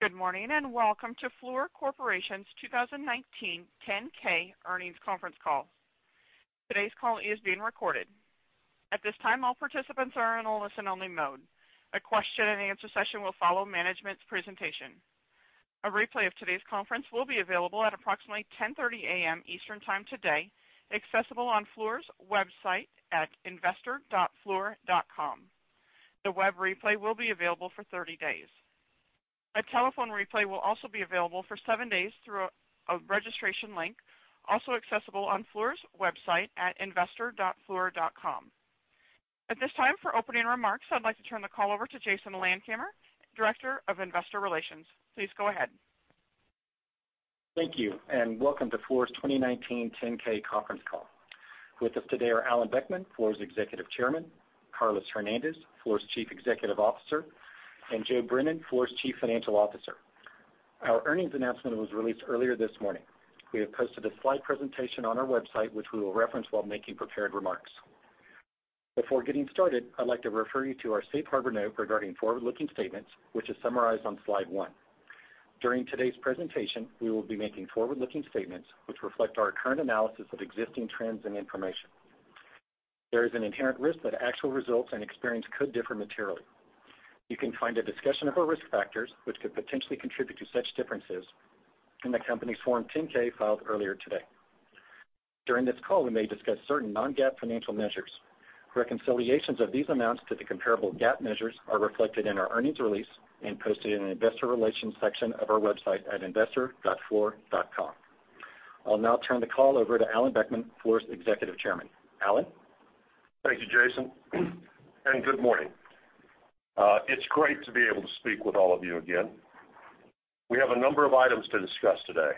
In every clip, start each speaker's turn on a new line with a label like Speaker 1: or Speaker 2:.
Speaker 1: Good morning, and welcome to Fluor Corporation's 2019 10-K earnings conference call. Today's call is being recorded. At this time, all participants are in a listen-only mode. A question and answer session will follow management's presentation. A replay of today's conference will be available at approximately 10:30 A.M. Eastern time today, accessible on Fluor's website at investor.fluor.com. The web replay will be available for 30 days. A telephone replay will also be available for seven days through a registration link, also accessible on Fluor's website at investor.fluor.com. At this time, for opening remarks, I'd like to turn the call over to Jason Landkamer, Director of Investor Relations. Please go ahead.
Speaker 2: Thank you, and welcome to Fluor's 2019 10-K conference call. With us today are Alan Boeckmann, Fluor's Executive Chairman, Carlos Hernandez, Fluor's Chief Executive Officer, and Joe Brennan, Fluor's Chief Financial Officer. Our earnings announcement was released earlier this morning. We have posted a slide presentation on our website, which we will reference while making prepared remarks. Before getting started, I'd like to refer you to our safe harbor note regarding forward-looking statements, which is summarized on slide one. During today's presentation, we will be making forward-looking statements, which reflect our current analysis of existing trends and information. There is an inherent risk that actual results and experience could differ materially. You can find a discussion of our risk factors, which could potentially contribute to such differences, in the company's Form 10-K filed earlier today. During this call, we may discuss certain non-GAAP financial measures. Reconciliations of these amounts to the comparable GAAP measures are reflected in our earnings release and posted in the investor relations section of our website at investor.fluor.com. I'll now turn the call over to Alan Boeckmann, Fluor's Executive Chairman. Alan?
Speaker 3: Thank you, Jason. Good morning. It's great to be able to speak with all of you again. We have a number of items to discuss today.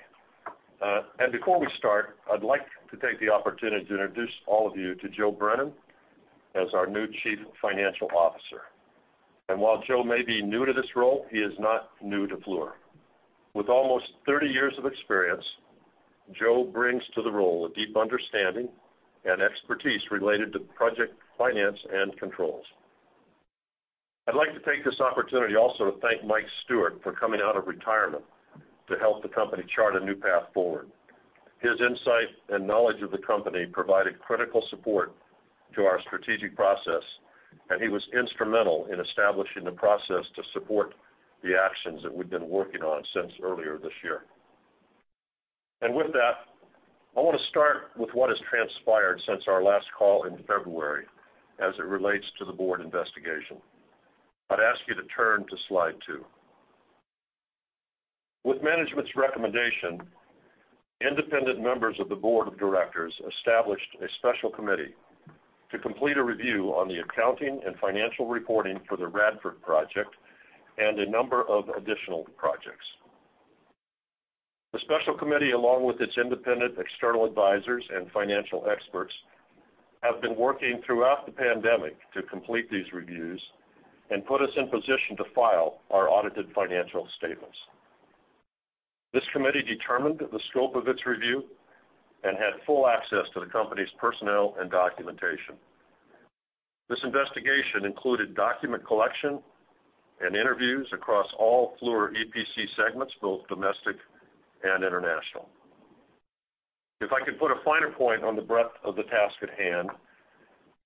Speaker 3: Before we start, I'd like to take the opportunity to introduce all of you to Joe Brennan as our new Chief Financial Officer. While Joe may be new to this role, he is not new to Fluor. With almost 30 years of experience, Joe brings to the role a deep understanding and expertise related to project finance and controls. I'd like to take this opportunity also to thank Mike Steuert for coming out of retirement to help the company chart a new path forward. His insight and knowledge of the company provided critical support to our strategic process, and he was instrumental in establishing the process to support the actions that we've been working on since earlier this year. With that, I want to start with what has transpired since our last call in February as it relates to the Board investigation. I'd ask you to turn to slide two. With management's recommendation, independent members of the Board of Directors established a Special Committee to complete a review on the accounting and financial reporting for the Radford project and a number of additional projects. The Special Committee, along with its independent external advisors and financial experts, have been working throughout the pandemic to complete these reviews and put us in position to file our audited financial statements. This Committee determined the scope of its review and had full access to the company's personnel and documentation. This investigation included document collection and interviews across all Fluor EPC segments, both domestic and international. If I could put a finer point on the breadth of the task at hand,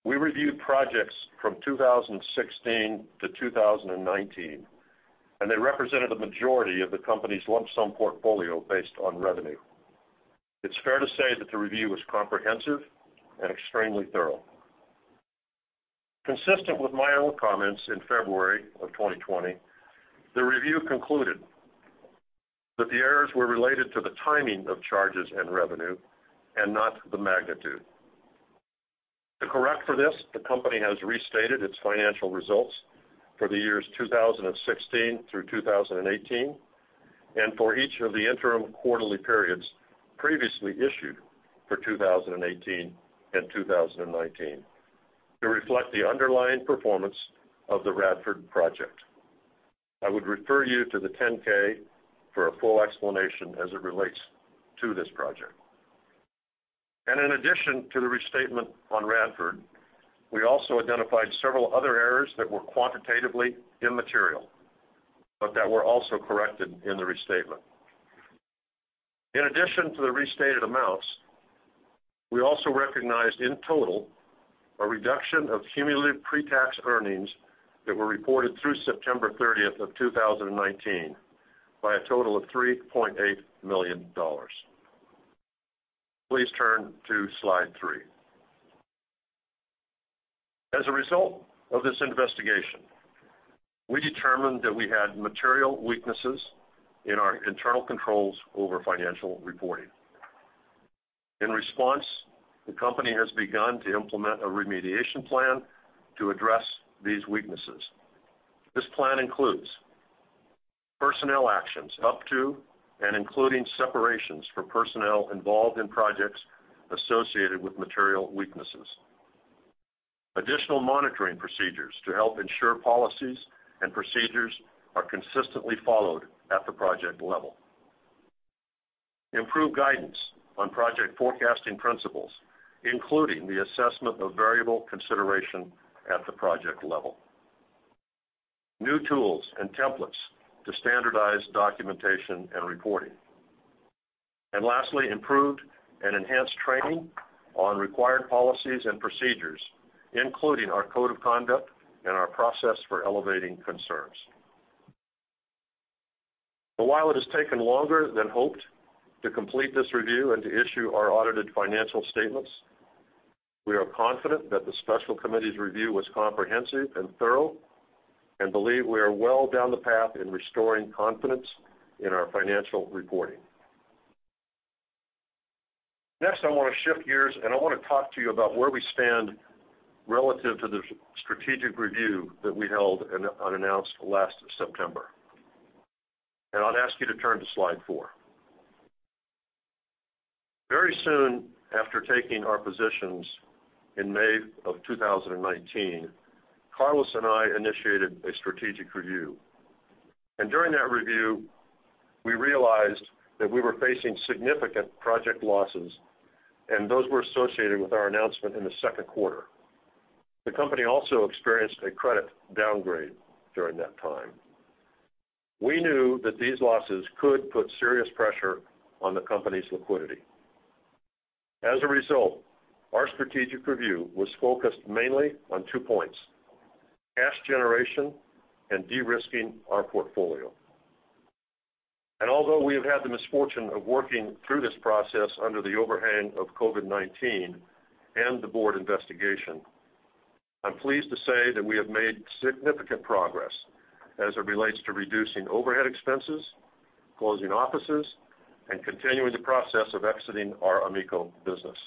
Speaker 3: we reviewed projects from 2016 to 2019, and they represented a majority of the company's lump-sum portfolio based on revenue. It's fair to say that the review was comprehensive and extremely thorough. Consistent with my own comments in February of 2020, the review concluded that the errors were related to the timing of charges and revenue and not the magnitude. To correct for this, the company has restated its financial results for the years 2016 through 2018 and for each of the interim quarterly periods previously issued for 2018 and 2019 to reflect the underlying performance of the Radford project. I would refer you to the 10-K for a full explanation as it relates to this project. In addition to the restatement on Radford, we also identified several other errors that were quantitatively immaterial, but that were also corrected in the restatement. In addition to the restated amounts, we also recognized in total a reduction of cumulative pre-tax earnings that were reported through September 30th of 2019 by a total of $3.8 million. Please turn to slide three. As a result of this investigation, we determined that we had material weaknesses in our internal controls over financial reporting. In response, the company has begun to implement a remediation plan to address these weaknesses. This plan includes personnel actions up to and including separations for personnel involved in projects associated with material weaknesses. Additional monitoring procedures to help ensure policies and procedures are consistently followed at the project level. Improved guidance on project forecasting principles, including the assessment of variable consideration at the project level. New tools and templates to standardize documentation and reporting. Lastly, improved and enhanced training on required policies and procedures, including our code of conduct and our process for elevating concerns. While it has taken longer than hoped to complete this review and to issue our audited financial statements, we are confident that the Special Committee's review was comprehensive and thorough, and believe we are well down the path in restoring confidence in our financial reporting. Next, I want to shift gears, and I want to talk to you about where we stand relative to the strategic review that we held and announced last September. I'd ask you to turn to slide four. Very soon after taking our positions in May of 2019, Carlos and I initiated a strategic review. During that review, we realized that we were facing significant project losses, and those were associated with our announcement in the second quarter. The company also experienced a credit downgrade during that time. We knew that these losses could put serious pressure on the company's liquidity. As a result, our strategic review was focused mainly on two points, cash generation and de-risking our portfolio. Although we have had the misfortune of working through this process under the overhang of COVID-19 and the board investigation, I'm pleased to say that we have made significant progress as it relates to reducing overhead expenses, closing offices, and continuing the process of exiting our AMECO business.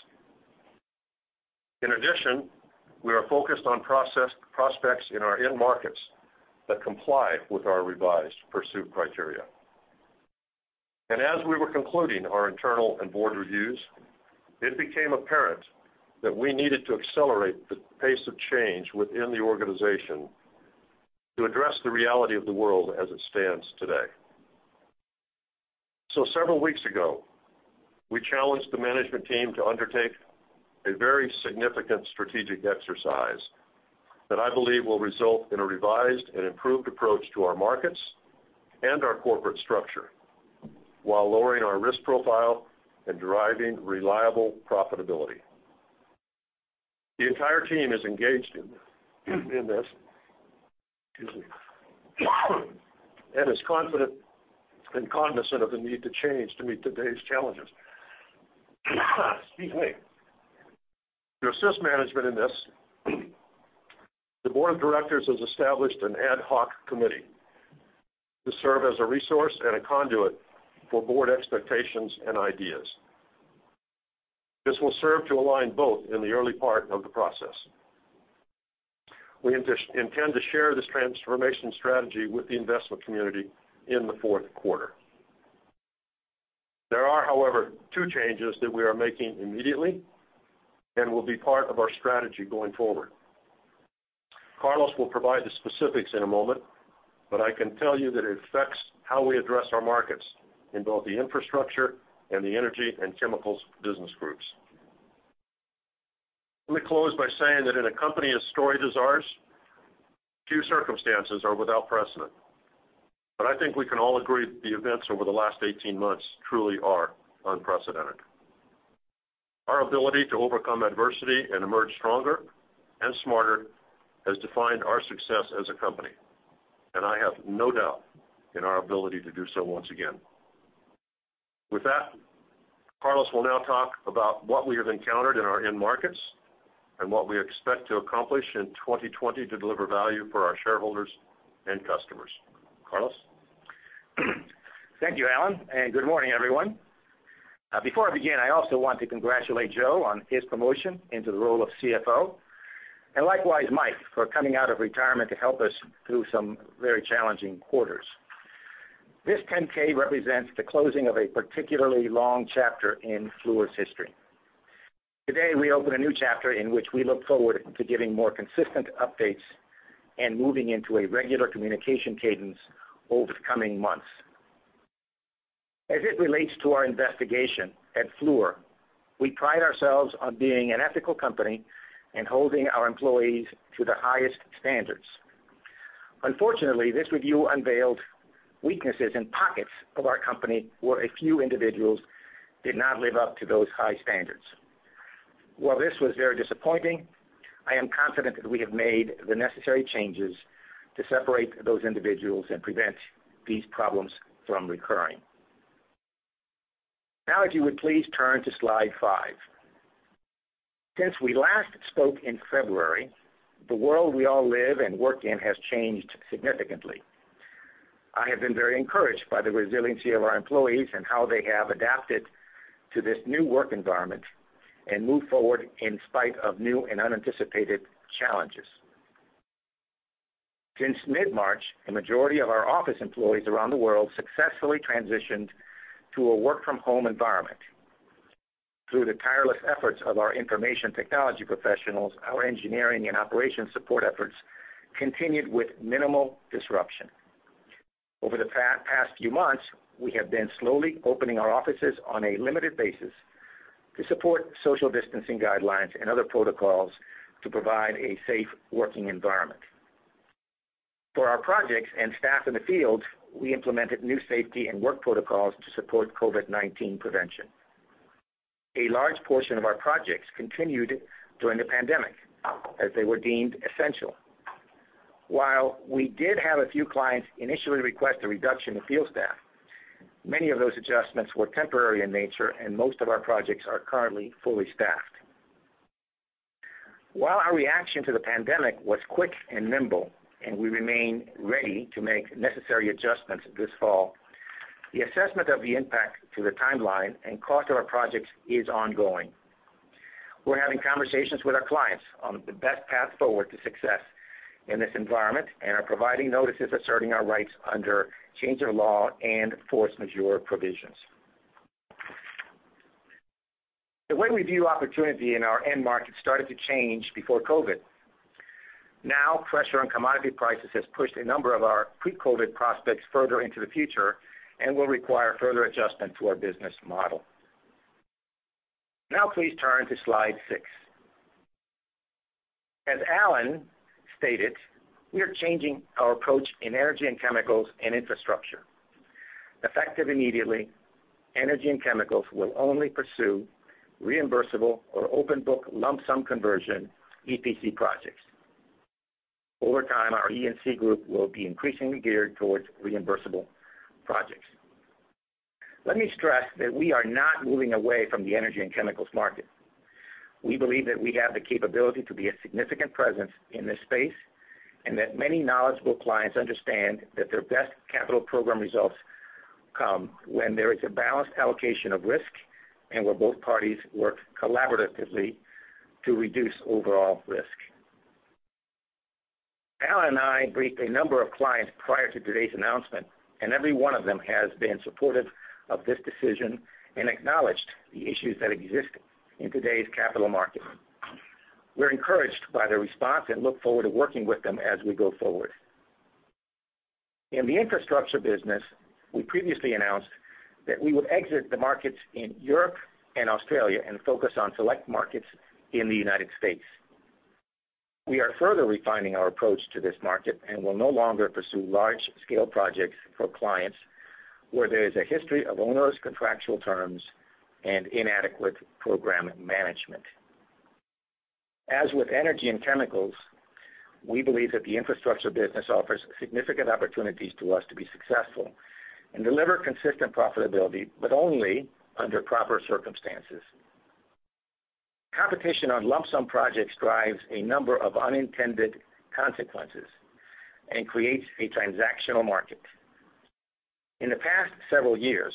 Speaker 3: In addition, we are focused on prospects in our end markets that comply with our revised pursuit criteria. As we were concluding our internal and board reviews, it became apparent that we needed to accelerate the pace of change within the organization to address the reality of the world as it stands today. Several weeks ago, we challenged the management team to undertake a very significant strategic exercise that I believe will result in a revised and improved approach to our markets and our corporate structure while lowering our risk profile and deriving reliable profitability. The entire team is engaged in this. Excuse me. Is confident and cognizant of the need to change to meet today's challenges. Excuse me. To assist management in this, the board of directors has established an ad hoc committee to serve as a resource and a conduit for board expectations and ideas. This will serve to align both in the early part of the process. We intend to share this transformation strategy with the investment community in the fourth quarter. There are, however, two changes that we are making immediately and will be part of our strategy going forward. Carlos will provide the specifics in a moment, but I can tell you that it affects how we address our markets in both the infrastructure and the Energy & Chemicals business groups. Let me close by saying that in a company as storied as ours, few circumstances are without precedent. I think we can all agree that the events over the last 18 months truly are unprecedented. Our ability to overcome adversity and emerge stronger and smarter has defined our success as a company, and I have no doubt in our ability to do so once again. With that, Carlos will now talk about what we have encountered in our end markets and what we expect to accomplish in 2020 to deliver value for our shareholders and customers. Carlos?
Speaker 4: Thank you, Alan. Good morning, everyone. Before I begin, I also want to congratulate Joe on his promotion into the role of CFO, and likewise Mike for coming out of retirement to help us through some very challenging quarters. This 10-K represents the closing of a particularly long chapter in Fluor's history. Today, we open a new chapter in which we look forward to giving more consistent updates and moving into a regular communication cadence over the coming months. As it relates to our investigation, at Fluor, we pride ourselves on being an ethical company and holding our employees to the highest standards. Unfortunately, this review unveiled weaknesses in pockets of our company where a few individuals did not live up to those high standards. While this was very disappointing, I am confident that we have made the necessary changes to separate those individuals and prevent these problems from recurring. If you would please turn to slide five. Since we last spoke in February, the world we all live and work in has changed significantly. I have been very encouraged by the resiliency of our employees and how they have adapted to this new work environment and moved forward in spite of new and unanticipated challenges. Since mid-March, the majority of our office employees around the world successfully transitioned to a work-from-home environment. Through the tireless efforts of our information technology professionals, our engineering and operations support efforts continued with minimal disruption. Over the past few months, we have been slowly opening our offices on a limited basis to support social distancing guidelines and other protocols to provide a safe working environment. For our projects and staff in the field, we implemented new safety and work protocols to support COVID-19 prevention. A large portion of our projects continued during the pandemic as they were deemed essential. While we did have a few clients initially request a reduction in field staff, many of those adjustments were temporary in nature, and most of our projects are currently fully staffed. While our reaction to the pandemic was quick and nimble, and we remain ready to make necessary adjustments this fall, the assessment of the impact to the timeline and cost of our projects is ongoing. We're having conversations with our clients on the best path forward to success in this environment and are providing notices asserting our rights under change of law and force majeure provisions. The way we view opportunity in our end market started to change before COVID. Now, pressure on commodity prices has pushed a number of our pre-COVID-19 prospects further into the future and will require further adjustment to our business model. Now please turn to slide six. As Alan stated, we are changing our approach in Energy & Chemicals and Infrastructure. Effective immediately, Energy & Chemicals will only pursue reimbursable or open book lump sum conversion EPC projects. Over time, our E&C group will be increasingly geared towards reimbursable projects. Let me stress that we are not moving away from the Energy & Chemicals market. We believe that we have the capability to be a significant presence in this space, and that many knowledgeable clients understand that their best capital program results come when there is a balanced allocation of risk and where both parties work collaboratively to reduce overall risk. Alan and I briefed a number of clients prior to today's announcement, and every one of them has been supportive of this decision and acknowledged the issues that exist in today's capital market. We're encouraged by their response and look forward to working with them as we go forward. In the infrastructure business, we previously announced that we would exit the markets in Europe and Australia and focus on select markets in the United States. We are further refining our approach to this market and will no longer pursue large-scale projects for clients where there is a history of onerous contractual terms and inadequate program management. As with Energy & Chemicals, we believe that the infrastructure business offers significant opportunities to us to be successful and deliver consistent profitability, but only under proper circumstances. Competition on lump sum projects drives a number of unintended consequences and creates a transactional market. In the past several years,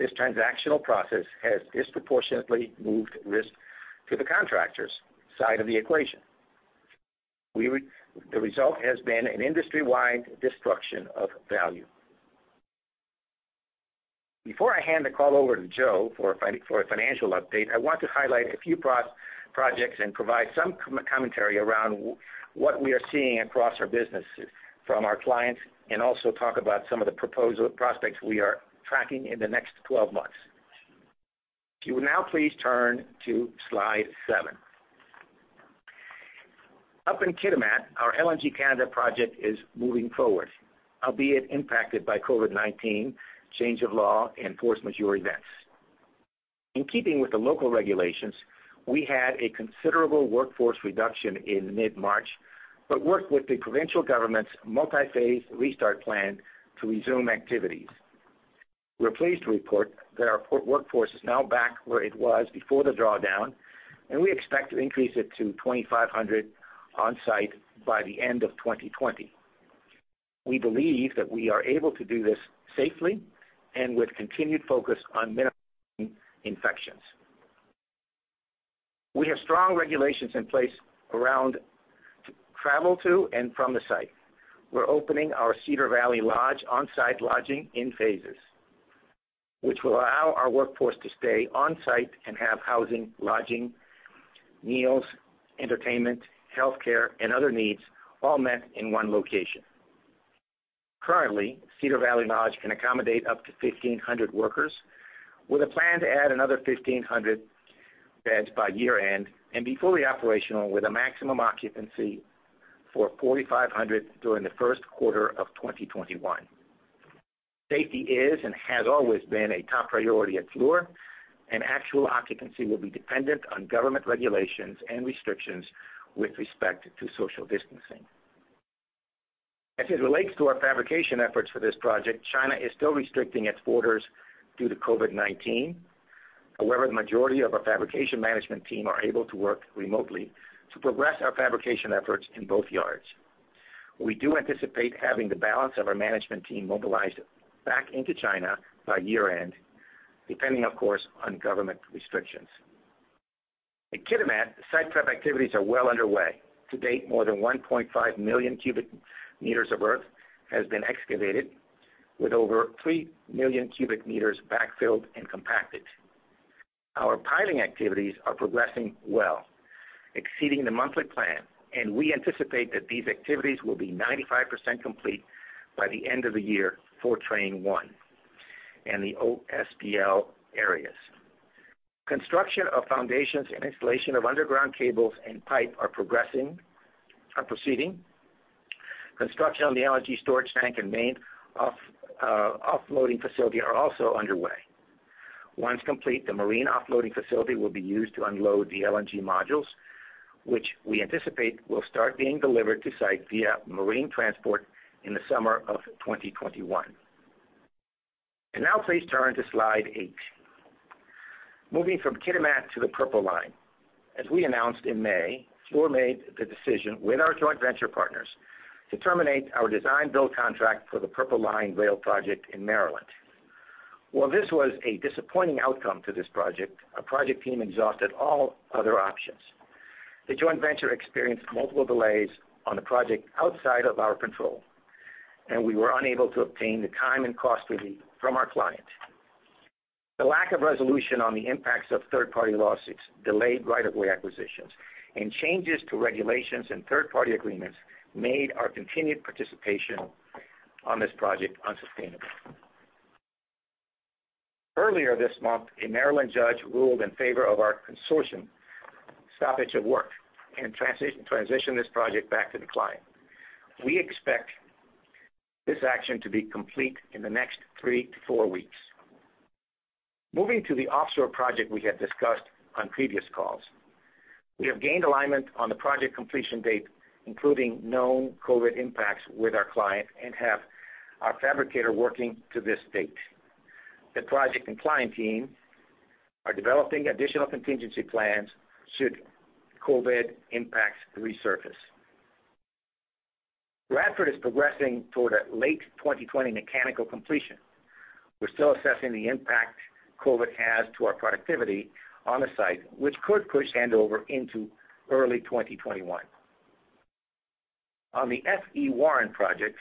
Speaker 4: this transactional process has disproportionately moved risk to the contractors' side of the equation. The result has been an industry-wide destruction of value. Before I hand the call over to Joe for a financial update, I want to highlight a few projects and provide some commentary around what we are seeing across our businesses from our clients, and also talk about some of the prospects we are tracking in the next 12 months. If you will now please turn to slide seven. Up in Kitimat, our LNG Canada project is moving forward, albeit impacted by COVID-19, change of law, and force majeure events. In keeping with the local regulations, we had a considerable workforce reduction in mid-March, but worked with the provincial government's multi-phase restart plan to resume activities. We're pleased to report that our workforce is now back where it was before the drawdown, and we expect to increase it to 2,500 on-site by the end of 2020. We believe that we are able to do this safely and with continued focus on minimizing infections. We have strong regulations in place around travel to and from the site. We're opening our Cedar Valley Lodge on-site lodging in phases, which will allow our workforce to stay on-site and have housing, lodging, meals, entertainment, healthcare, and other needs all met in one location. Currently, Cedar Valley Lodge can accommodate up to 1,500 workers with a plan to add another 1,500 beds by year-end and be fully operational with a maximum occupancy for 4,500 during the first quarter of 2021. Safety is and has always been a top priority at Fluor, and actual occupancy will be dependent on government regulations and restrictions with respect to social distancing. As it relates to our fabrication efforts for this project, China is still restricting its borders due to COVID-19. However, the majority of our fabrication management team are able to work remotely to progress our fabrication efforts in both yards. We do anticipate having the balance of our management team mobilized back into China by year-end, depending, of course, on government restrictions. In Kitimat, site prep activities are well underway. To date, more than 1.5 million cubic meters of earth has been excavated, with over 3 million cubic meters backfilled and compacted. Our piling activities are progressing well, exceeding the monthly plan, we anticipate that these activities will be 95% complete by the end of the year for Train 1 and the OSBL areas. Construction of foundations and installation of underground cables and pipe are proceeding. Construction on the LNG storage tank and main offloading facility are also underway. Once complete, the marine offloading facility will be used to unload the LNG modules, which we anticipate will start being delivered to site via marine transport in the summer of 2021. Now please turn to slide eight. Moving from Kitimat to the Purple Line. As we announced in May, Fluor made the decision, with our joint venture partners, to terminate our design-build contract for the Purple Line Rail project in Maryland. While this was a disappointing outcome to this project, our project team exhausted all other options. The joint venture experienced multiple delays on the project outside of our control, and we were unable to obtain the time and cost relief from our client. The lack of resolution on the impacts of third-party lawsuits delayed right-of-way acquisitions, and changes to regulations and third-party agreements made our continued participation on this project unsustainable. Earlier this month, a Maryland judge ruled in favor of our consortium stoppage of work and transitioned this project back to the client. We expect this action to be complete in the next three to four weeks. Moving to the offshore project we had discussed on previous calls. We have gained alignment on the project completion date, including known COVID impacts with our client, and have our fabricator working to this date. The project and client team are developing additional contingency plans should COVID impacts resurface. Radford is progressing toward a late 2020 mechanical completion. We're still assessing the impact COVID-19 has to our productivity on the site, which could push handover into early 2021. On the F.E. Warren project,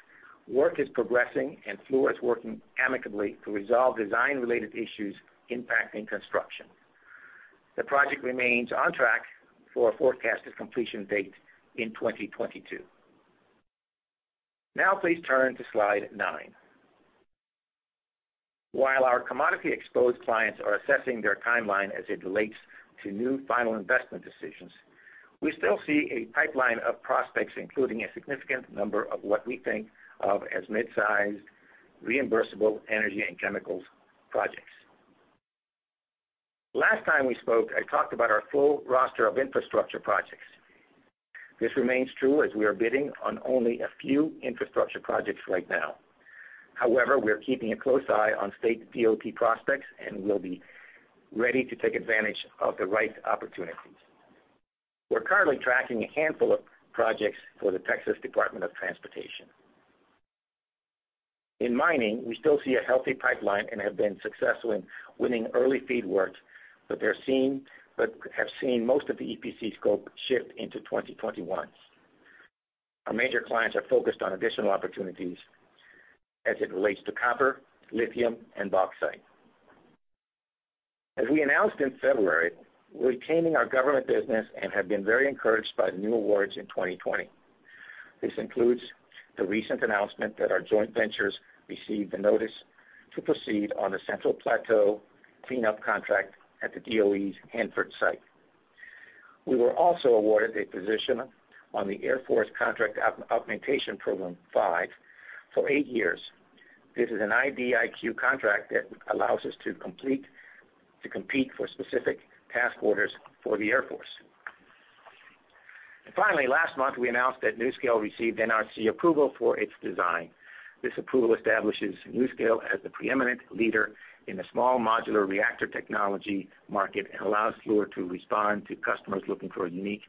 Speaker 4: work is progressing, and Fluor is working amicably to resolve design-related issues impacting construction. The project remains on track for a forecasted completion date in 2022. Please turn to slide nine. Our commodity-exposed clients are assessing their timeline as it relates to new final investment decisions, we still see a pipeline of prospects, including a significant number of what we think of as mid-sized, reimbursable Energy & Chemicals projects. Last time we spoke, I talked about our full roster of infrastructure projects. This remains true as we are bidding on only a few infrastructure projects right now. We are keeping a close eye on state DOT prospects and will be ready to take advantage of the right opportunities. We're currently tracking a handful of projects for the Texas Department of Transportation. In mining, we still see a healthy pipeline and have been successful in winning early FEED works, have seen most of the EPC scope shift into 2021. Our major clients are focused on additional opportunities as it relates to copper, lithium, and bauxite. As we announced in February, we're retaining our government business and have been very encouraged by the new awards in 2020. This includes the recent announcement that our joint ventures received the notice to proceed on the Central Plateau cleanup contract at the DOE's Hanford site. We were also awarded a position on the Air Force Contract Augmentation Program V for eight years. This is an IDIQ contract that allows us to compete for specific task orders for the Air Force. Finally, last month, we announced that NuScale received NRC approval for its design. This approval establishes NuScale as the preeminent leader in the small modular reactor technology market and allows Fluor to respond to customers looking for a unique,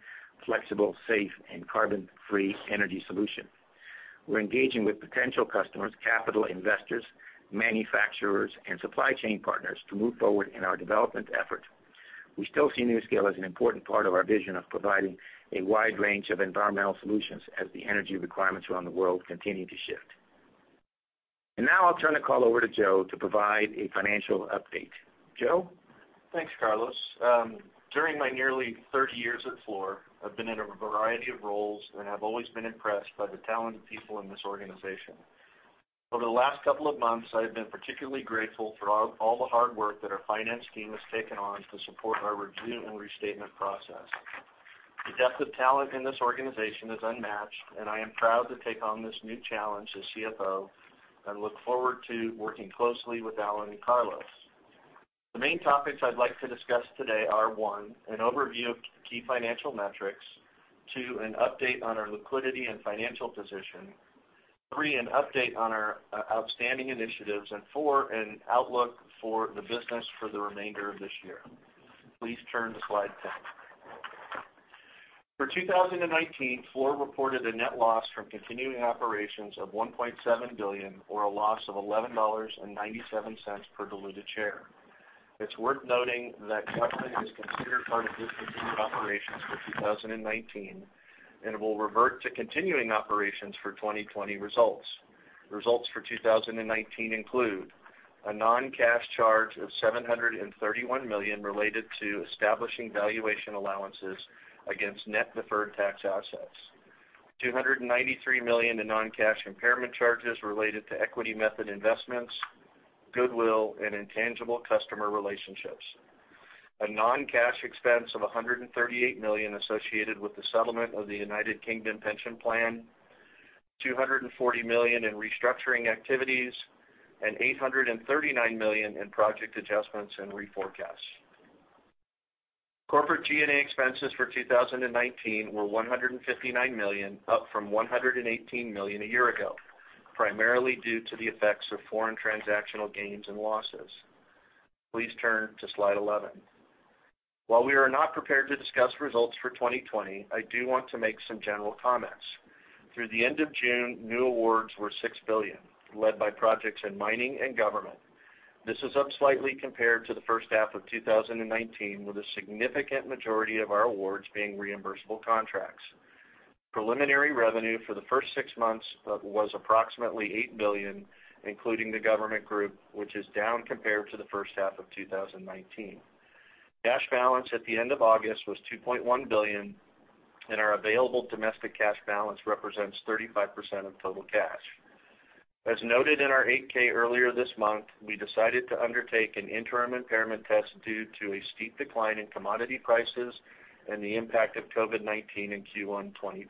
Speaker 4: flexible, safe, and carbon-free energy solution. We're engaging with potential customers, capital investors, manufacturers, and supply chain partners to move forward in our development effort. We still see NuScale as an important part of our vision of providing a wide range of environmental solutions as the energy requirements around the world continue to shift. Now I'll turn the call over to Joe to provide a financial update. Joe?
Speaker 5: Thanks, Carlos. During my nearly 30 years at Fluor, I've been in a variety of roles and have always been impressed by the talented people in this organization. Over the last couple of months, I've been particularly grateful for all the hard work that our finance team has taken on to support our review and restatement process. The depth of talent in this organization is unmatched, I am proud to take on this new challenge as CFO, and look forward to working closely with Alan and Carlos. The main topics I'd like to discuss today are, one, an overview of key financial metrics. Two, an update on our liquidity and financial position. Three, an update on our outstanding initiatives. Four, an outlook for the business for the remainder of this year. Please turn to slide 10. For 2019, Fluor reported a net loss from continuing operations of $1.7 billion, or a loss of $11.97 per diluted share. It's worth noting that Keppel is considered part of discontinued operations for 2019 and will revert to continuing operations for 2020 results. Results for 2019 include a non-cash charge of $731 million related to establishing valuation allowances against net deferred tax assets, $293 million in non-cash impairment charges related to equity method investments, goodwill, and intangible customer relationships, a non-cash expense of $138 million associated with the settlement of the United Kingdom pension plan, $240 million in restructuring activities, and $839 million in project adjustments and reforecast. Corporate G&A expenses for 2019 were $159 million, up from $118 million a year ago, primarily due to the effects of foreign transactional gains and losses. Please turn to slide 11. While we are not prepared to discuss results for 2020, I do want to make some general comments. Through the end of June, new awards were $6 billion, led by projects in mining and government. This is up slightly compared to the first half of 2019, with a significant majority of our awards being reimbursable contracts. Preliminary revenue for the first six months was approximately $8 billion, including the government group, which is down compared to the first half of 2019. Cash balance at the end of August was $2.1 billion, and our available domestic cash balance represents 35% of total cash. As noted in our 8-K earlier this month, we decided to undertake an interim impairment test due to a steep decline in commodity prices and the impact of COVID-19 in Q1 2020.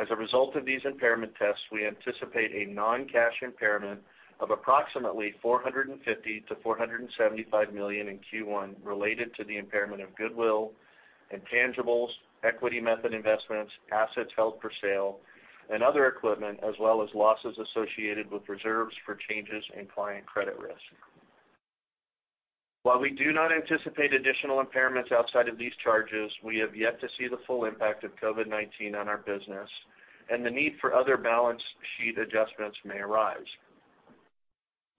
Speaker 5: As a result of these impairment tests, we anticipate a non-cash impairment of approximately $450 million-$475 million in Q1 related to the impairment of goodwill, intangibles, equity method investments, assets held for sale, and other equipment, as well as losses associated with reserves for changes in client credit risk. While we do not anticipate additional impairments outside of these charges, we have yet to see the full impact of COVID-19 on our business, and the need for other balance sheet adjustments may arise.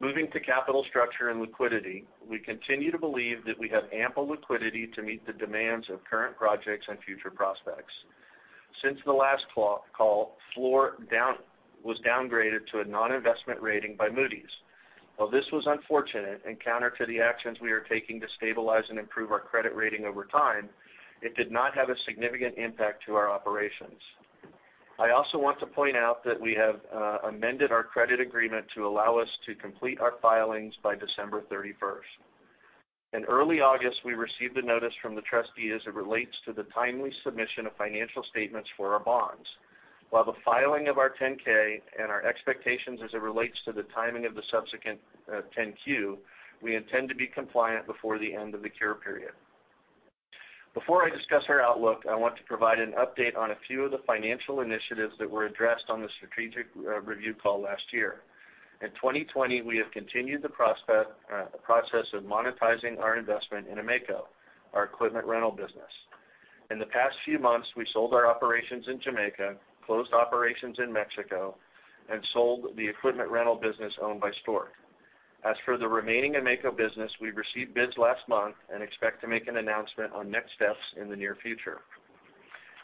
Speaker 5: Moving to capital structure and liquidity. We continue to believe that we have ample liquidity to meet the demands of current projects and future prospects. Since the last call, Fluor was downgraded to a non-investment rating by Moody's. While this was unfortunate and counter to the actions we are taking to stabilize and improve our credit rating over time, it did not have a significant impact to our operations. I also want to point out that we have amended our credit agreement to allow us to complete our filings by December 31st. In early August, we received a notice from the trustee as it relates to the timely submission of financial statements for our bonds. While the filing of our 10-K and our expectations as it relates to the timing of the subsequent 10-Q, we intend to be compliant before the end of the cure period. Before I discuss our outlook, I want to provide an update on a few of the financial initiatives that were addressed on the strategic review call last year. In 2020, we have continued the process of monetizing our investment in AMECO, our equipment rental business. In the past few months, we sold our operations in Jamaica, closed operations in Mexico, and sold the equipment rental business owned by Stork. As for the remaining AMECO business, we received bids last month and expect to make an announcement on next steps in the near future.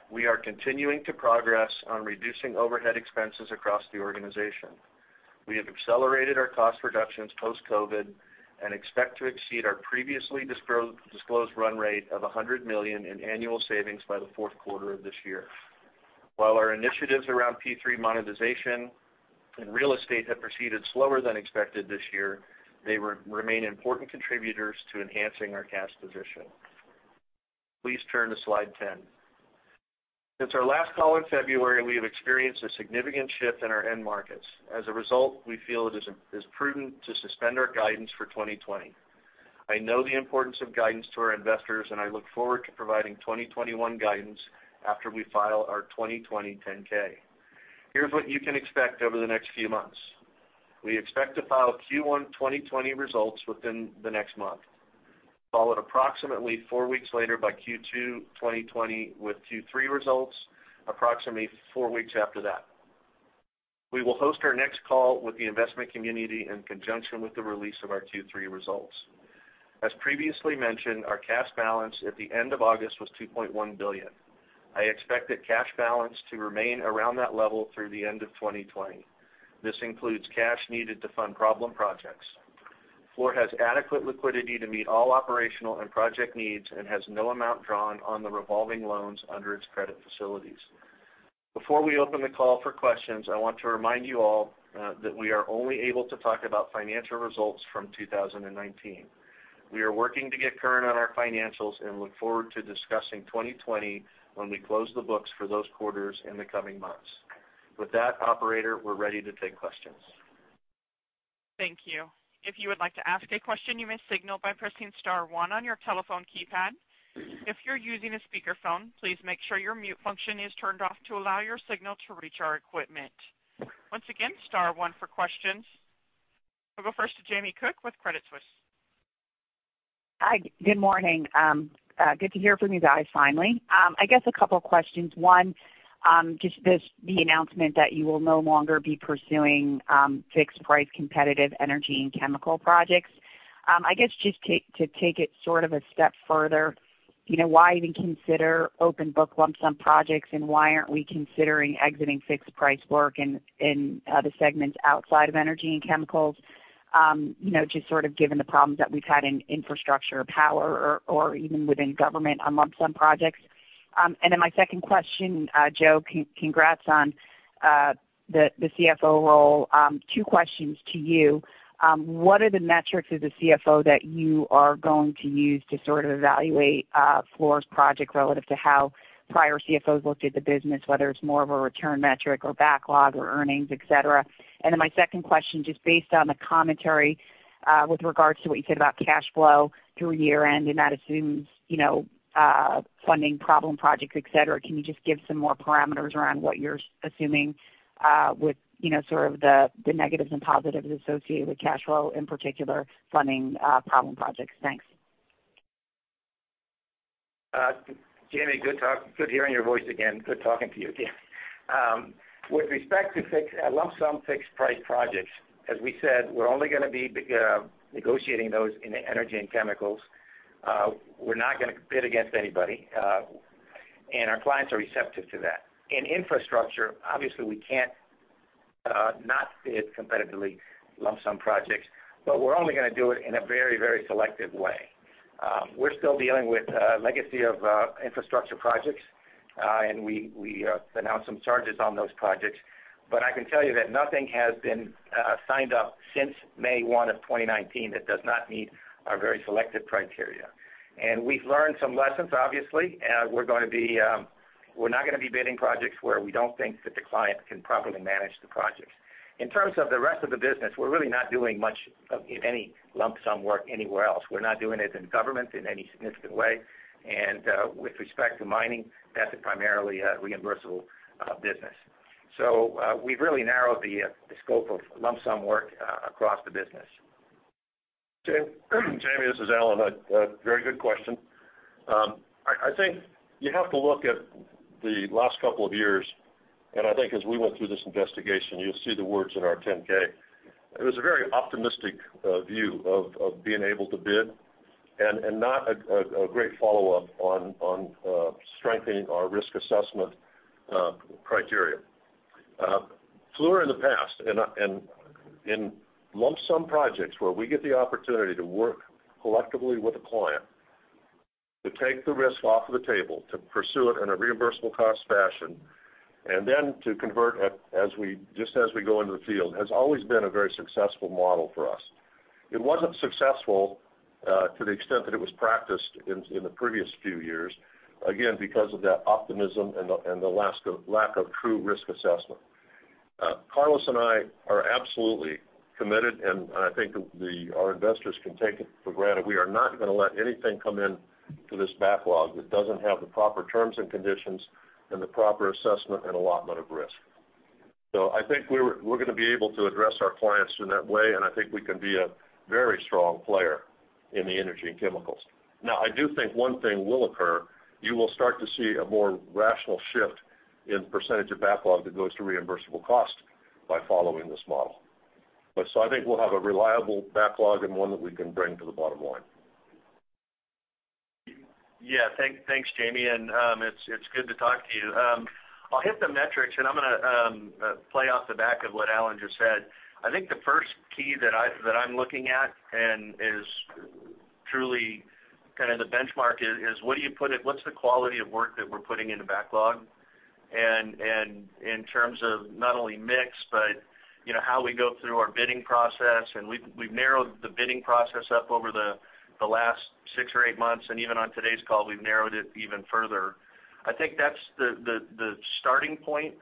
Speaker 5: We are continuing to progress on reducing overhead expenses across the organization. We have accelerated our cost reductions post-COVID-19 and expect to exceed our previously disclosed run rate of $100 million in annual savings by the fourth quarter of this year. While our initiatives around P3 monetization and real estate have proceeded slower than expected this year, they remain important contributors to enhancing our cash position. Please turn to slide 10. Since our last call in February, we have experienced a significant shift in our end markets. As a result, we feel it is prudent to suspend our guidance for 2020. I know the importance of guidance to our investors, and I look forward to providing 2021 guidance after we file our 2020 10-K. Here's what you can expect over the next few months. We expect to file Q1 2020 results within the next month, followed approximately four weeks later by Q2 2020, with Q3 results approximately four weeks after that. We will host our next call with the investment community in conjunction with the release of our Q3 results. As previously mentioned, our cash balance at the end of August was $2.1 billion. I expect that cash balance to remain around that level through the end of 2020. This includes cash needed to fund problem projects. Fluor has adequate liquidity to meet all operational and project needs and has no amount drawn on the revolving loans under its credit facilities. Before we open the call for questions, I want to remind you all that we are only able to talk about financial results from 2019. We are working to get current on our financials and look forward to discussing 2020 when we close the books for those quarters in the coming months. With that, operator, we're ready to take questions.
Speaker 1: Thank you. If you would like to ask a question, you may signal by pressing star one on your telephone keypad. If you're using a speakerphone, please make sure your mute function is turned off to allow your signal to reach our equipment. Once again, star one for questions. We'll go first to Jamie Cook with Credit Suisse.
Speaker 6: Hi, good morning. Good to hear from you guys finally. I guess a couple of questions. One, just the announcement that you will no longer be pursuing fixed-price competitive energy and chemical projects. I guess just to take it a step further, why even consider open-book lump-sum projects, and why aren't we considering exiting fixed-price work in other segments outside of Energy & Chemicals? Just sort of given the problems that we've had in infrastructure, power, or even within government on lump-sum projects. My second question, Joe, congrats on the CFO role. Two questions to you. What are the metrics as the CFO that you are going to use to evaluate Fluor's project relative to how prior CFOs looked at the business, whether it's more of a return metric or backlog or earnings, et cetera? My second question, just based on the commentary, with regards to what you said about cash flow through year-end, and that assumes funding problem projects, et cetera. Can you just give some more parameters around what you're assuming with sort of the negatives and positives associated with cash flow, in particular, funding problem projects? Thanks.
Speaker 4: Jamie, good hearing your voice again. Good talking to you again. With respect to lump sum fixed price projects, as we said, we're only going to be negotiating those in the Energy & Chemicals. We're not going to bid against anybody. Our clients are receptive to that. In Infrastructure, obviously we can't not bid competitively lump-sum projects, but we're only going to do it in a very selective way. We're still dealing with a legacy of infrastructure projects, and we announced some charges on those projects. I can tell you that nothing has been signed up since May 1 2019 that does not meet our very selective criteria. We've learned some lessons, obviously. We're not going to be bidding projects where we don't think that the client can properly manage the projects. In terms of the rest of the business, we're really not doing much of any lump-sum work anywhere else. We're not doing it in government in any significant way. With respect to mining, that's primarily a reimbursable business. We've really narrowed the scope of lump-sum work across the business.
Speaker 3: Jamie, this is Alan. A very good question. I think you have to look at the last couple of years, and I think as we went through this investigation, you'll see the words in our 10-K. It was a very optimistic view of being able to bid and not a great follow-up on strengthening our risk assessment criteria. Fluor in the past, in lump-sum projects where we get the opportunity to work collectively with a client, to take the risk off of the table, to pursue it in a reimbursable cost fashion, and then to convert just as we go into the field, has always been a very successful model for us. It wasn't successful to the extent that it was practiced in the previous few years, again because of that optimism and the lack of true risk assessment. Carlos and I are absolutely committed, and I think our investors can take it for granted, we are not going to let anything come into this backlog that doesn't have the proper terms and conditions and the proper assessment and allotment of risk. I think we're going to be able to address our clients in that way, and I think we can be a very strong player in the Energy & Chemicals. I do think one thing will occur, you will start to see a more rational shift in percentage of backlog that goes to reimbursable cost by following this model. I think we'll have a reliable backlog and one that we can bring to the bottom line.
Speaker 5: Thanks, Jamie, it's good to talk to you. I'll hit the metrics and I'm going to play off the back of what Alan just said. I think the first key that I'm looking at and is truly the benchmark, is what's the quality of work that we're putting in the backlog, and in terms of not only mix but how we go through our bidding process. We've narrowed the bidding process up over the last six or eight months, and even on today's call, we've narrowed it even further. I think that's the starting point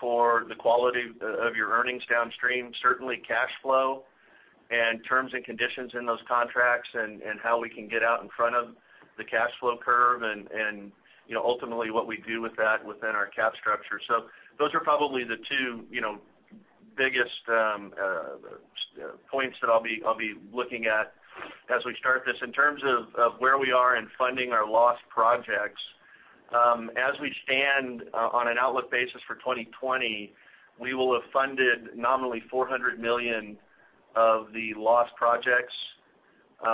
Speaker 5: for the quality of your earnings downstream. Certainly, cash flow and terms and conditions in those contracts and how we can get out in front of the cash flow curve and ultimately what we do with that within our cap structure. Those are probably the two biggest points that I'll be looking at as we start this. In terms of where we are in funding our [loss] projects, as we stand on an outlook basis for 2020, we will have funded nominally $400 million of the [loss] projects,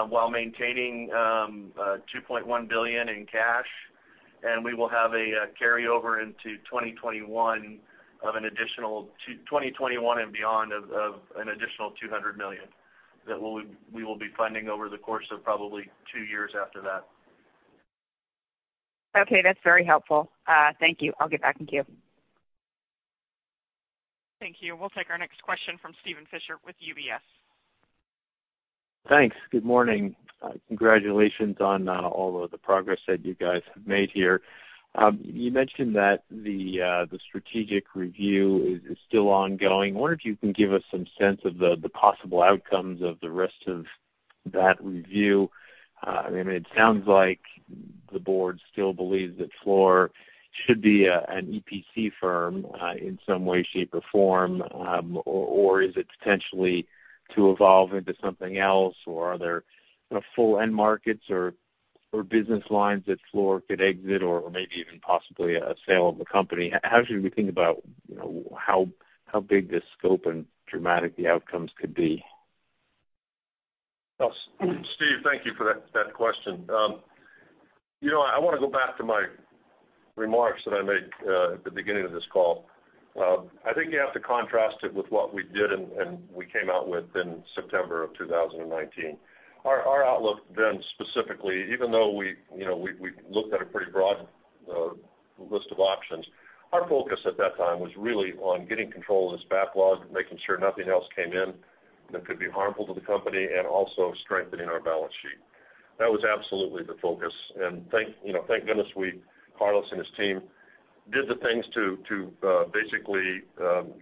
Speaker 5: while maintaining $2.1 billion in cash. We will have a carryover into 2021 and beyond of an additional $200 million that we will be funding over the course of probably two years after that.
Speaker 6: Okay, that's very helpful. Thank you. I'll get back in queue.
Speaker 1: Thank you. We'll take our next question from Steven Fisher with UBS.
Speaker 7: Thanks. Good morning. Congratulations on all of the progress that you guys have made here. You mentioned that the strategic review is still ongoing. I wonder if you can give us some sense of the possible outcomes of the rest of that review. It sounds like the board still believes that Fluor should be an EPC firm in some way, shape, or form, or is it potentially to evolve into something else? Are there full end markets or business lines that Fluor could exit or maybe even possibly a sale of the company? How should we think about how big this scope and dramatic the outcomes could be?
Speaker 3: Steve, thank you for that question. I want to go back to my remarks that I made at the beginning of this call. I think you have to contrast it with what we did and we came out with in September of 2019. Our outlook then specifically, even though we looked at a pretty broad list of options, our focus at that time was really on getting control of this backlog and making sure nothing else came in that could be harmful to the company, and also strengthening our balance sheet. That was absolutely the focus, and thank goodness Carlos and his team did the things to basically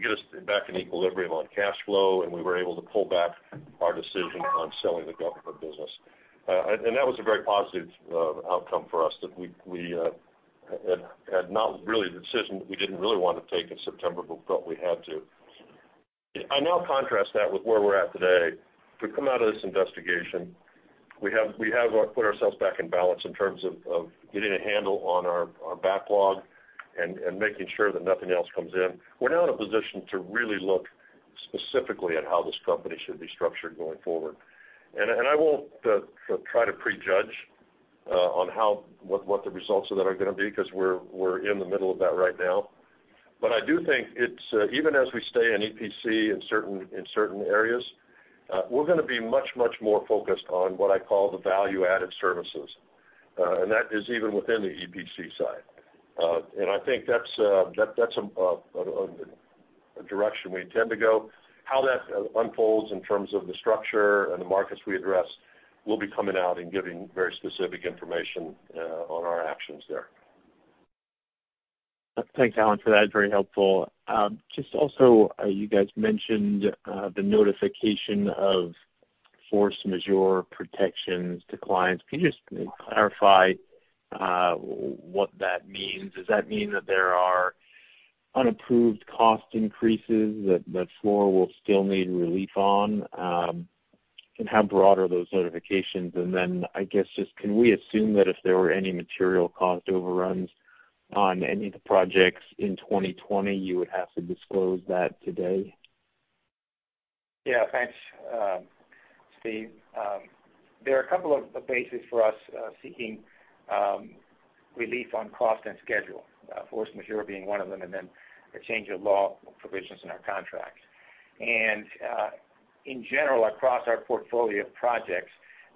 Speaker 3: get us back in equilibrium on cash flow, and we were able to pull back our decision on selling the government business. That was a very positive outcome for us, a decision that we didn't really want to take in September, but felt we had to. I now contrast that with where we're at today. We've come out of this investigation. We have put ourselves back in balance in terms of getting a handle on our backlog and making sure that nothing else comes in. We're now in a position to really look specifically at how this company should be structured going forward. I won't try to prejudge on what the results of that are going to be, because we're in the middle of that right now. I do think even as we stay in EPC in certain areas, we're going to be much more focused on what I call the value-added services. That is even within the EPC side. I think that's a direction we intend to go. How that unfolds in terms of the structure and the markets we address, we'll be coming out and giving very specific information on our actions there.
Speaker 7: Thanks, Alan, for that. Very helpful. Just also, you guys mentioned the notification of force majeure protections to clients. Can you just clarify what that means? Does that mean that there are unapproved cost increases that Fluor will still need relief on? How broad are those notifications? I guess, just can we assume that if there were any material cost overruns on any of the projects in 2020, you would have to disclose that today?
Speaker 4: Thanks, Steve. There are a couple of bases for us seeking relief on cost and schedule, force majeure being one of them, and then the change of law provisions in our contracts. In general, across our portfolio of projects,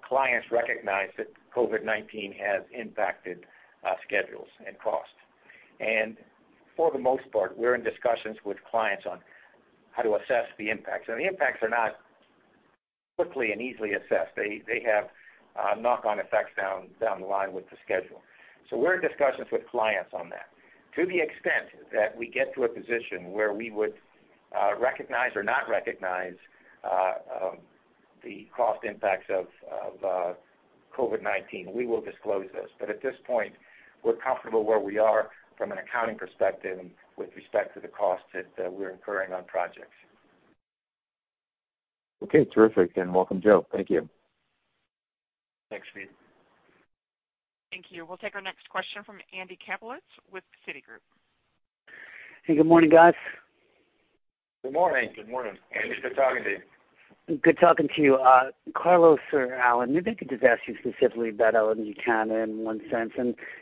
Speaker 4: clients recognize that COVID-19 has impacted schedules and cost. For the most part, we're in discussions with clients on how to assess the impacts. Now, the impacts are not quickly and easily assessed. They have knock-on effects down the line with the schedule. We're in discussions with clients on that. To the extent that we get to a position where we would recognize or not recognize the cost impacts of COVID-19, we will disclose those. At this point, we're comfortable where we are from an accounting perspective and with respect to the costs that we're incurring on projects.
Speaker 7: Okay, terrific. welcome, Joe. Thank you.
Speaker 5: Thanks, Steve.
Speaker 1: Thank you. We'll take our next question from Andy Kaplowitz with Citigroup.
Speaker 8: Hey, good morning, guys.
Speaker 4: Good morning.
Speaker 3: Good morning.
Speaker 4: Andy, it's good talking to you.
Speaker 8: Good talking to you. Carlos or Alan, maybe I could just ask you specifically about LNG Canada in one sense.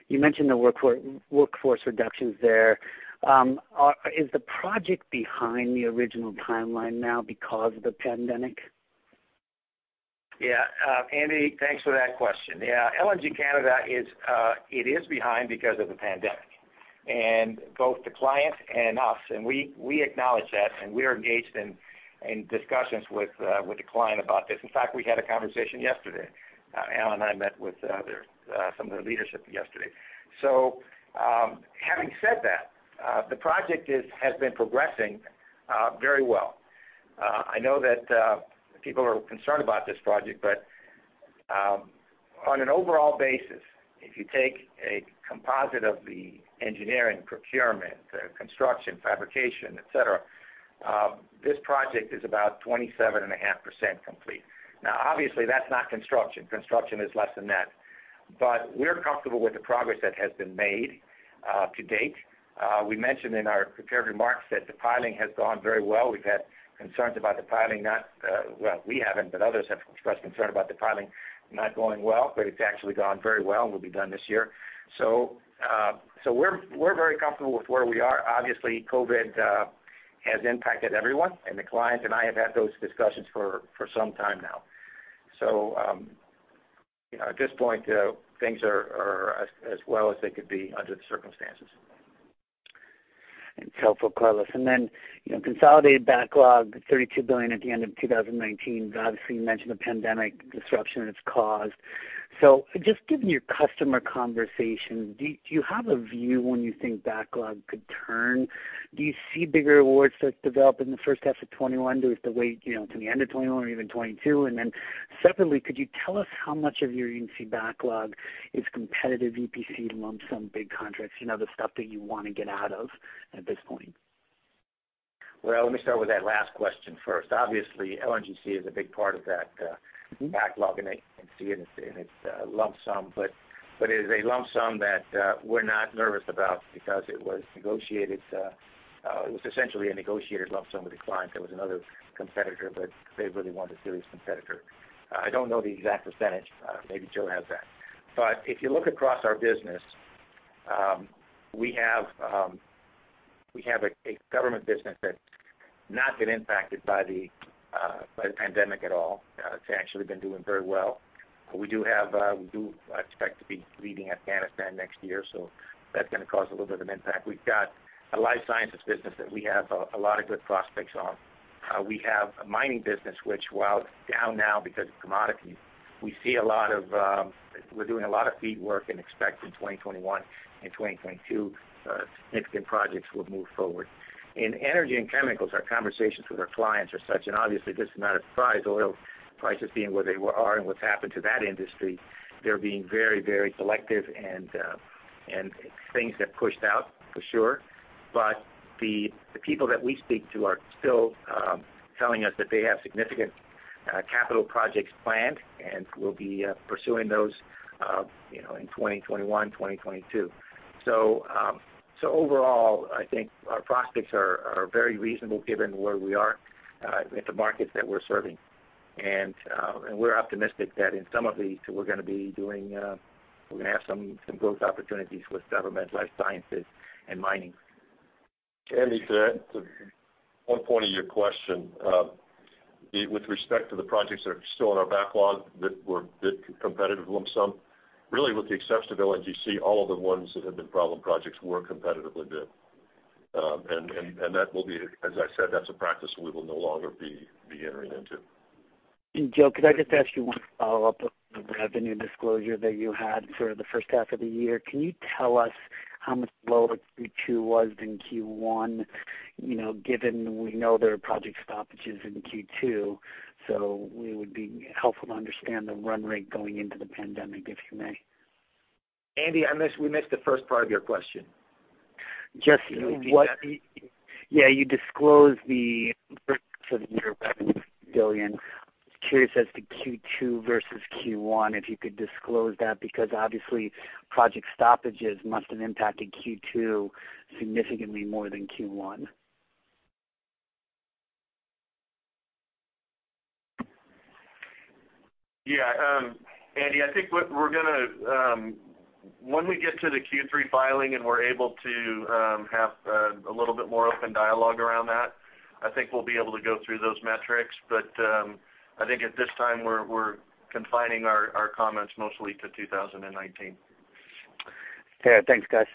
Speaker 8: You mentioned the workforce reductions there. Is the project behind the original timeline now because of the pandemic?
Speaker 4: Andy, thanks for that question. LNG Canada is behind because of the pandemic. Both the client and us, and we acknowledge that, and we're engaged in discussions with the client about this. In fact, we had a conversation yesterday. Alan and I met with some of their leadership yesterday. Having said that, the project has been progressing very well. I know that people are concerned about this project, but on an overall basis, if you take a composite of the engineering, procurement, construction, fabrication, et cetera, this project is about 27 and a half percent complete. Obviously, that's not construction. Construction is less than that. We're comfortable with the progress that has been made to date. We mentioned in our prepared remarks that the piling has gone very well. We've had concerns about the piling not. We haven't, but others have expressed concern about the piling not going well, but it's actually gone very well and will be done this year. We're very comfortable with where we are. Obviously, COVID has impacted everyone, and the client and I have had those discussions for some time now. At this point, things are as well as they could be under the circumstances.
Speaker 8: It's helpful, Carlos. Consolidated backlog, $32 billion at the end of 2019. Obviously, you mentioned the pandemic disruption and its cause. Just given your customer conversations, do you have a view on when you think backlog could turn? Do you see bigger awards that develop in the first half of 2021? Do we have to wait to the end of 2021 or even 2022? Separately, could you tell us how much of your EPC backlog is competitive EPC lump sum big contracts, the stuff that you want to get out of at this point?
Speaker 4: Let me start with that last question first. Obviously, LNGC is a big part of that backlog, and it's a lump sum, but it is a lump sum that we're not nervous about because it was essentially a negotiated lump sum with the client. There was another competitor, but they really wanted a serious competitor. I don't know the exact percentage. Maybe Joe has that. If you look across our business, we have a government business that's not been impacted by the pandemic at all. It's actually been doing very well. We do expect to be leaving Afghanistan next year, that's going to cause a little bit of an impact. We've got a life sciences business that we have a lot of good prospects on. We have a mining business which, while it's down now because of commodities, we're doing a lot of FEED work and expect in 2021 and 2022, significant projects will move forward. In Energy & Chemicals, our conversations with our clients are such, and obviously just a matter of price, oil prices being where they are and what's happened to that industry, they're being very selective and things have pushed out for sure. The people that we speak to are still telling us that they have significant capital projects planned, and we'll be pursuing those in 2021, 2022. Overall, I think our prospects are very reasonable given where we are with the markets that we're serving. We're optimistic that in some of these we're going to have some growth opportunities with government, life sciences, and mining.
Speaker 3: Andy, to add to one point of your question. With respect to the projects that are still in our backlog, that competitive lump sum, really with the exception of LNGC, all of the ones that have been problem projects were competitively bid. That will be, as I said, that's a practice we will no longer be entering into.
Speaker 8: Joe, could I just ask you one follow-up on the revenue disclosure that you had for the first half of the year? Can you tell us how much lower Q2 was than Q1, given we know there are project stoppages in Q2? It would be helpful to understand the run rate going into the pandemic, if you may.
Speaker 5: Andy, we missed the first part of your question. Can you repeat that?
Speaker 8: Yeah, you disclosed the billion. Curious as to Q2 versus Q1, if you could disclose that, because obviously project stoppages must have impacted Q2 significantly more than Q1.
Speaker 5: Yeah. Andy, I think when we get to the Q3 filing and we're able to have a little bit more open dialogue around that, I think we'll be able to go through those metrics. I think at this time, we're confining our comments mostly to 2019.
Speaker 8: Okay. Thanks, guys.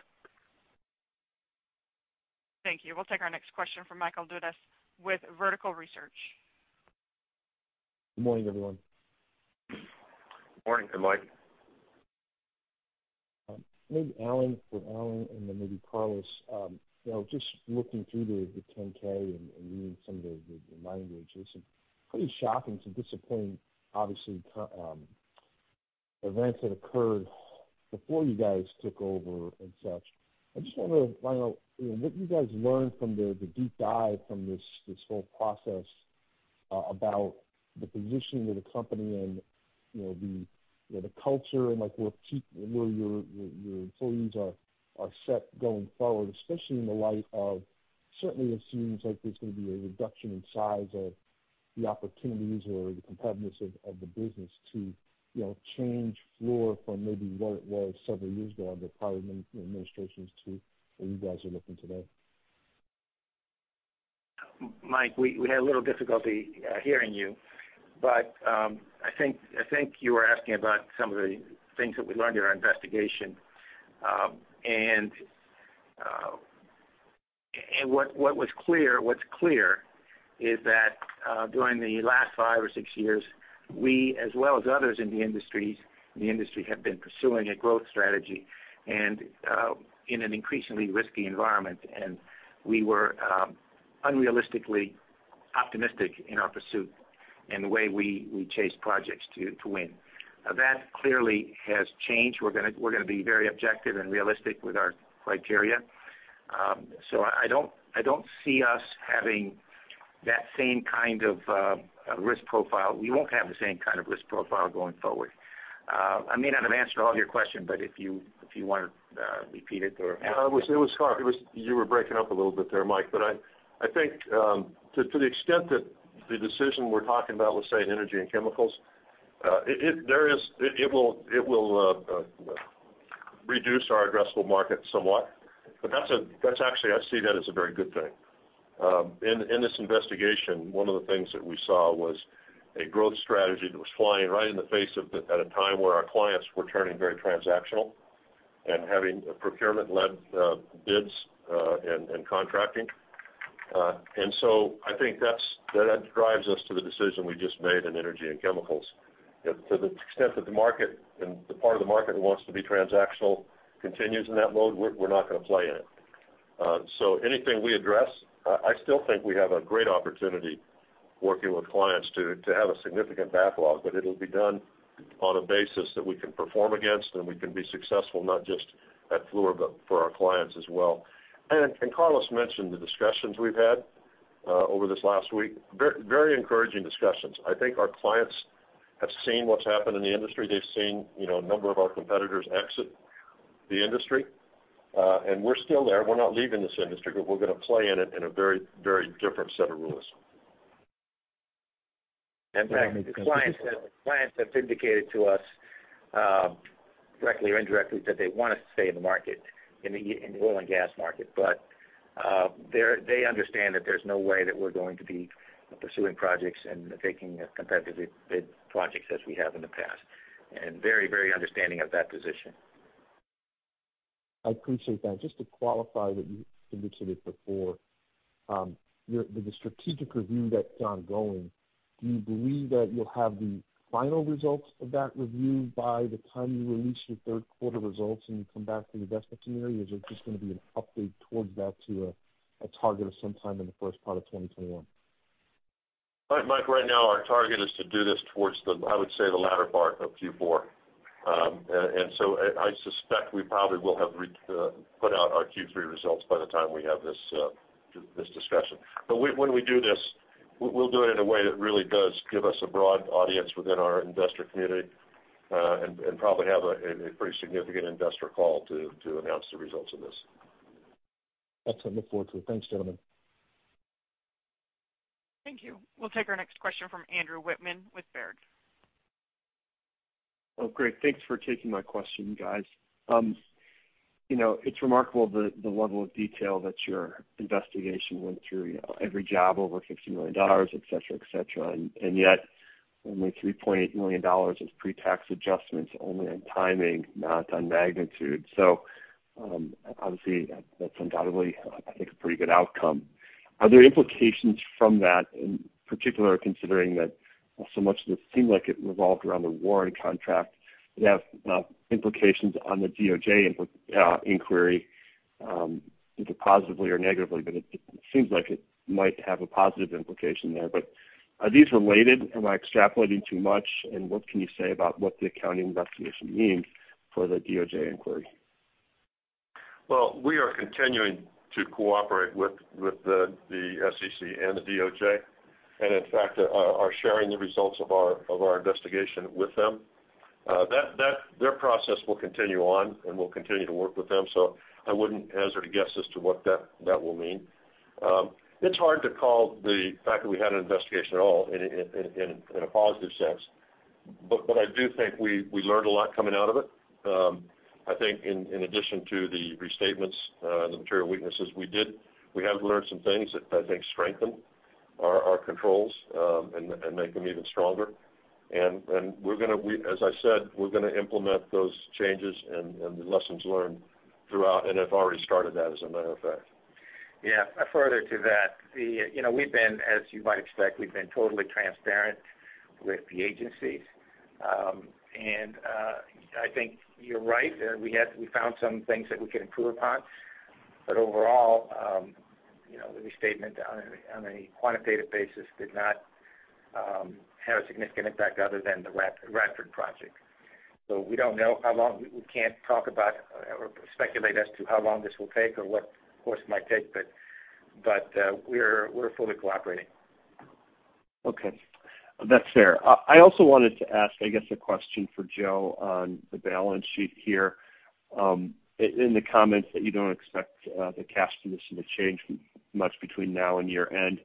Speaker 1: Thank you. We'll take our next question from Michael Dudas with Vertical Research.
Speaker 9: Good morning, everyone.
Speaker 3: Morning. Good luck.
Speaker 9: Maybe for Alan, and then maybe Carlos. Just looking through the 10-K and reading some of the language, there's some pretty shocking, some disappointing, obviously, events that occurred before you guys took over and such. I just wanted to find out what you guys learned from the deep dive from this whole process about the positioning of the company and the culture and where your employees are set going forward, especially in the light of, certainly it seems like there's going to be a reduction in size of the opportunities or the competitiveness of the business to change Fluor from maybe what it was several years ago under prior administrations to where you guys are looking today.
Speaker 4: Mike, we had a little difficulty hearing you. I think you were asking about some of the things that we learned during our investigation. What's clear is that during the last five or six years, we, as well as others in the industry, have been pursuing a growth strategy and in an increasingly risky environment, and we were unrealistically optimistic in our pursuit and the way we chase projects to win. That clearly has changed. We're going to be very objective and realistic with our criteria. I don't see us having that same kind of risk profile. We won't have the same kind of risk profile going forward. I may not have answered all your question, but if you want to repeat it or ask it.
Speaker 3: It was hard. You were breaking up a little bit there, Mike. I think to the extent that the decision we're talking about with, say, Energy & Chemicals, it will reduce our addressable market somewhat. Actually, I see that as a very good thing. In this investigation, one of the things that we saw was a growth strategy that was flying right in the face at a time where our clients were turning very transactional and having procurement-led bids and contracting. I think that drives us to the decision we just made in Energy & Chemicals. To the extent that the part of the market who wants to be transactional continues in that mode, we're not going to play in it. Anything we address, I still think we have a great opportunity working with clients to have a significant backlog, but it'll be done on a basis that we can perform against and we can be successful not just at Fluor, but for our clients as well. Carlos mentioned the discussions we've had over this last week, very encouraging discussions. I think our clients have seen what's happened in the industry. They've seen a number of our competitors exit the industry, and we're still there. We're not leaving this industry, but we're going to play in it in a very different set of rules.
Speaker 4: In fact, the clients have indicated to us, directly or indirectly, that they want us to stay in the market, in the oil and gas market. They understand that there's no way that we're going to be pursuing projects and taking competitively bid projects as we have in the past, very understanding of that position.
Speaker 9: I appreciate that. Just to qualify what you indicated before, with the strategic review that's ongoing, do you believe that you'll have the final results of that review by the time you release your third quarter results and you come back to the investment community? Or is it just going to be an update towards that to a target of some time in the first part of 2021?
Speaker 3: Mike, right now our target is to do this towards the, I would say, the latter part of Q4. I suspect we probably will have put out our Q3 results by the time we have this discussion. When we do this, we'll do it in a way that really does give us a broad audience within our investor community, and probably have a pretty significant investor call to announce the results of this.
Speaker 9: That's what I look forward to. Thanks, gentlemen.
Speaker 1: Thank you. We'll take our next question from Andrew Wittmann with Baird.
Speaker 10: Oh, great. Thanks for taking my question, guys. It's remarkable the level of detail that your investigation went through, every job over $50 million, et cetera. Yet only $3.8 million of pre-tax adjustments only on timing, not on magnitude. Obviously, that's undoubtedly, I think, a pretty good outcome. Are there implications from that, in particular, considering that so much of it seemed like it revolved around the Warren contract, that implications on the DOJ inquiry, either positively or negatively, but it seems like it might have a positive implication there. Are these related? Am I extrapolating too much? What can you say about what the accounting investigation means for the DOJ inquiry?
Speaker 3: Well, we are continuing to cooperate with the SEC and the DOJ, and in fact, are sharing the results of our investigation with them. Their process will continue on, and we'll continue to work with them. I wouldn't hazard a guess as to what that will mean. It's hard to call the fact that we had an investigation at all in a positive sense. I do think we learned a lot coming out of it. I think in addition to the restatements, the material weaknesses we did, we have learned some things that I think strengthen our controls and make them even stronger. As I said, we're going to implement those changes and the lessons learned throughout, and have already started that as a matter of fact.
Speaker 4: Yeah. Further to that, as you might expect, we've been totally transparent with the agencies. I think you're right, we found some things that we can improve upon. Overall, the restatement on a quantitative basis did not have a significant impact other than the Radford project. We don't know how long. We can't talk about or speculate as to how long this will take or what course it might take, but we're fully cooperating.
Speaker 10: Okay. That's fair. I also wanted to ask, I guess, a question for Joe on the balance sheet here. In the comments that you don't expect the cash position to change much between now and year-end,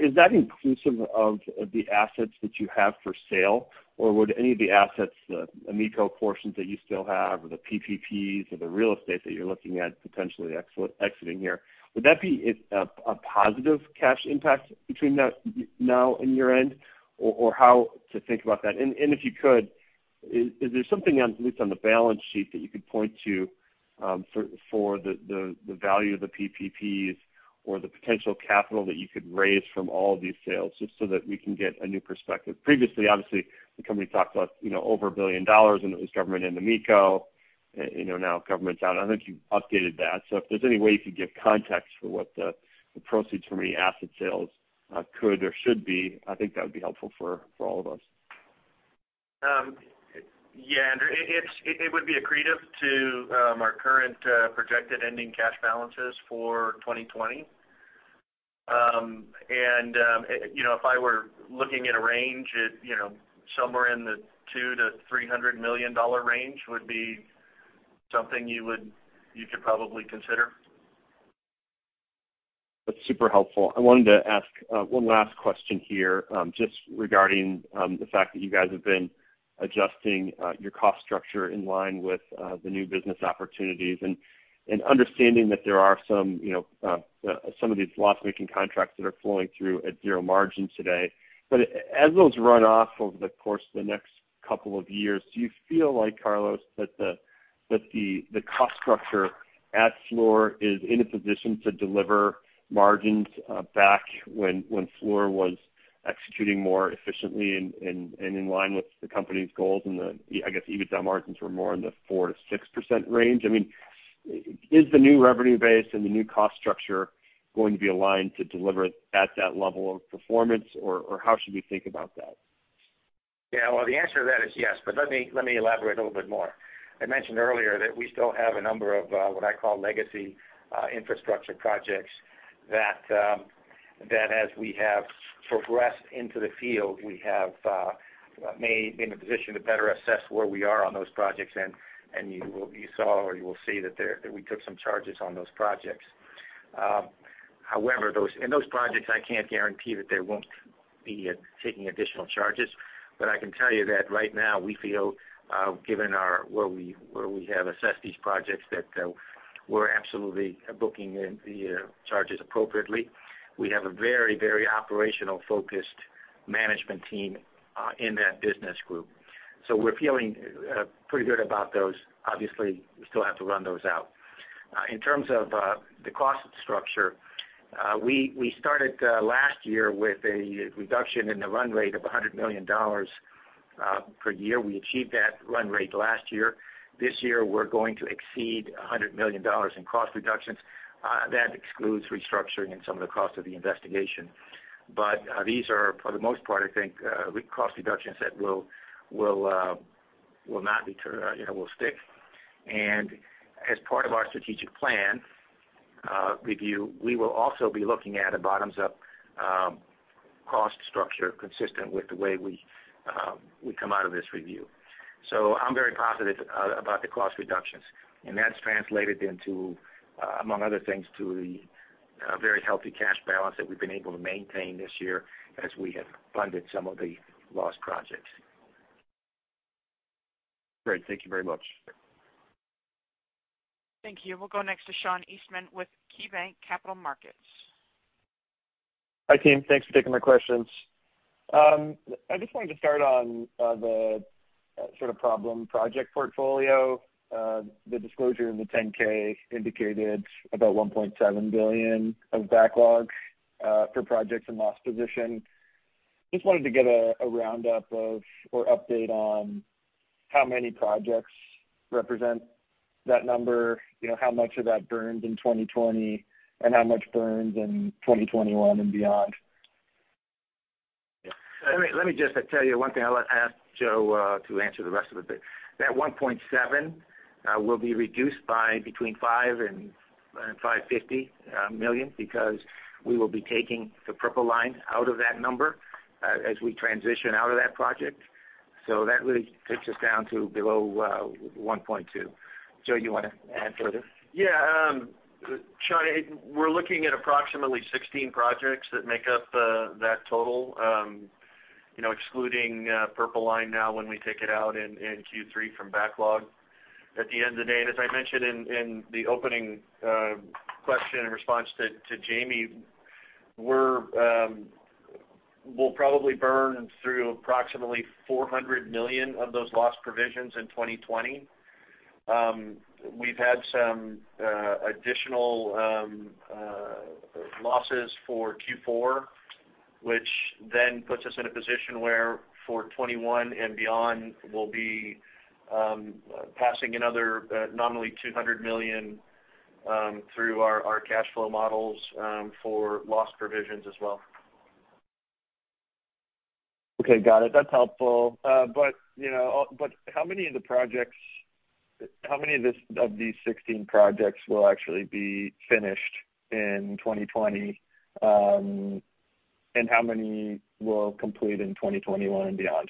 Speaker 10: is that inclusive of the assets that you have for sale? Would any of the assets, the AMECO portions that you still have, or the PPPs or the real estate that you're looking at potentially exiting here, would that be a positive cash impact between now and year-end? How to think about that? If you could, is there something, at least on the balance sheet, that you could point to for the value of the PPPs or the potential capital that you could raise from all of these sales, just so that we can get a new perspective? Previously, obviously, the company talked about over $1 billion, and it was government and AMECO. Now government's out. I don't think you've updated that. If there's any way you could give context for what the proceeds from any asset sales could or should be, I think that would be helpful for all of us.
Speaker 5: Yeah, Andrew. It would be accretive to our current projected ending cash balances for 2020. If I were looking at a range, somewhere in the $200 million-$300 million range would be something you could probably consider.
Speaker 10: That's super helpful. I wanted to ask one last question here just regarding the fact that you guys have been adjusting your cost structure in line with the new business opportunities and understanding that there are some of these loss-making contracts that are flowing through at zero margin today. As those run off over the course of the next couple of years, do you feel like, Carlos, that the cost structure at Fluor is in a position to deliver margins back when Fluor was executing more efficiently and in line with the company's goals and the, I guess, EBITDA margins were more in the 4%-6% range? I mean, is the new revenue base and the new cost structure going to be aligned to deliver at that level of performance, or how should we think about that?
Speaker 4: Yeah. Well, the answer to that is yes, but let me elaborate a little bit more. I mentioned earlier that we still have a number of, what I call legacy infrastructure projects that, as we have progressed into the field, we have made in a position to better assess where we are on those projects, and you saw, or you will see that we took some charges on those projects. However, in those projects, I can't guarantee that they won't be taking additional charges, but I can tell you that right now we feel, given where we have assessed these projects, that we're absolutely booking the charges appropriately. We have a very operational-focused management team in that business group. We're feeling pretty good about those. Obviously, we still have to run those out. In terms of the cost structure, we started last year with a reduction in the run rate of $100 million per year. We achieved that run rate last year. This year, we're going to exceed $100 million in cost reductions. That excludes restructuring and some of the cost of the investigation. These are, for the most part, I think, cost reductions that will stick. As part of our strategic plan review, we will also be looking at a bottoms-up cost structure consistent with the way we come out of this review. I'm very positive about the cost reductions, and that's translated into, among other things, to the very healthy cash balance that we've been able to maintain this year as we have funded some of the loss projects.
Speaker 10: Great. Thank you very much.
Speaker 1: Thank you. We'll go next to Sean Eastman with KeyBanc Capital Markets.
Speaker 11: Hi, team. Thanks for taking my questions. I just wanted to start on the problem project portfolio. The disclosure in the 10-K indicated about $1.7 billion of backlogs for projects and loss position. Just wanted to get a roundup of or update on how many projects represent that number, how much of that burned in 2020, and how much burned in 2021 and beyond.
Speaker 4: Let me just tell you one thing. I'll ask Joe to answer the rest of it. That $1.7 billion will be reduced by between $5 million and $50 million because we will be taking the Purple Line out of that number as we transition out of that project. That really takes us down to below $1.2 billion. Joe, you want to add further?
Speaker 5: Sean, we're looking at approximately 16 projects that make up that total, excluding Purple Line now when we take it out in Q3 from backlog. At the end of the day, as I mentioned in the opening question in response to Jamie, we'll probably burn through approximately $400 million of those loss provisions in 2020. We've had some additional losses for Q4, which then puts us in a position where for 2021 and beyond, we'll be passing another nominally $200 million through our cash flow models for loss provisions as well.
Speaker 11: Okay, got it. That's helpful. How many of these 16 projects will actually be finished in 2020? How many will complete in 2021 and beyond?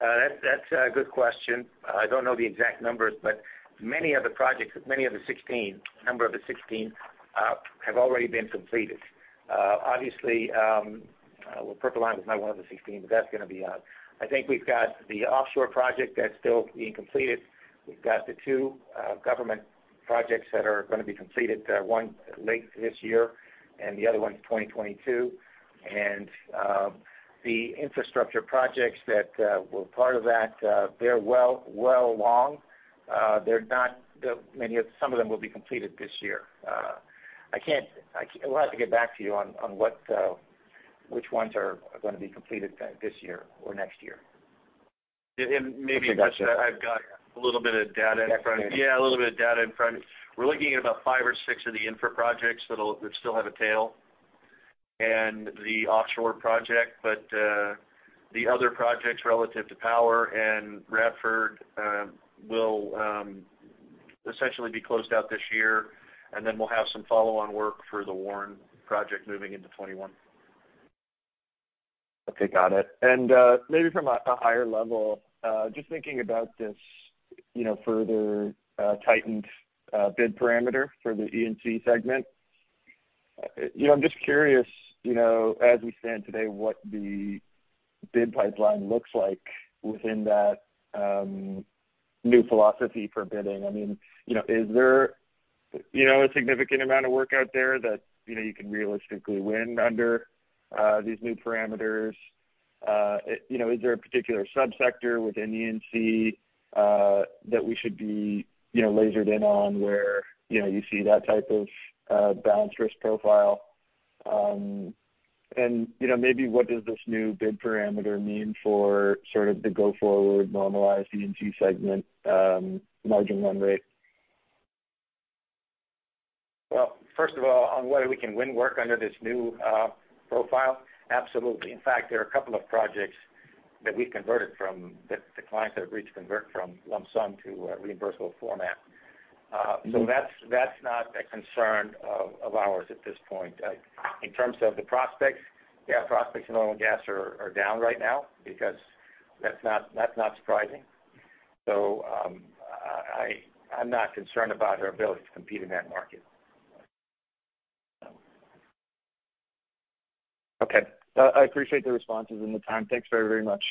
Speaker 4: That's a good question. I don't know the exact numbers, but many of the projects, a number of the 16 have already been completed. Obviously, well, Purple Line was not one of the 16, but that's going to be out. I think we've got the offshore project that's still being completed. We've got the two government projects that are going to be completed, one late this year and the other one's 2022. The infrastructure projects that were part of that, they're well along. Some of them will be completed this year. We'll have to get back to you on which ones are going to be completed this year or next year.
Speaker 5: Maybe I've got a little bit of data in front. We're looking at about five or six of the infra projects that still have a tail and the offshore project, but the other projects relative to power and Radford will essentially be closed out this year, and then we'll have some follow-on work for the Warren project moving into 2021.
Speaker 11: Okay, got it. Maybe from a higher level, just thinking about this further tightened bid parameter for the E&C segment. I'm just curious, as we stand today, what the bid pipeline looks like within that new philosophy for bidding. Is there a significant amount of work out there that you can realistically win under these new parameters? Is there a particular sub-sector within E&C that we should be lasered in on where you see that type of balanced risk profile? Maybe what does this new bid parameter mean for sort of the go forward normalized E&C segment margin run rate?
Speaker 4: Well, first of all, on whether we can win work under this new profile, absolutely. In fact, there are a couple of projects that the clients have agreed to convert from lump sum to a reimbursable format. That's not a concern of ours at this point. In terms of the prospects, yeah, prospects in oil and gas are down right now. That's not surprising. I'm not concerned about our ability to compete in that market.
Speaker 11: Okay. I appreciate the responses and the time. Thanks very much.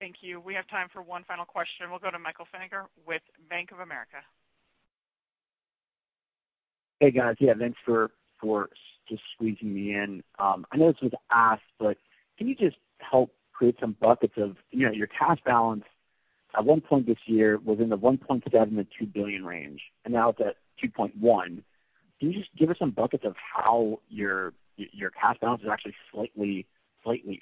Speaker 1: Thank you. We have time for one final question. We'll go to Michael Feniger with Bank of America.
Speaker 12: Hey, guys. Yeah, thanks for just squeezing me in. I know this was asked, can you just help create some buckets of your cash balance at one point this year within the $1.7 billion-$2 billion range, and now it's at $2.1 billion. Can you just give us some buckets of how your cash balance is actually slightly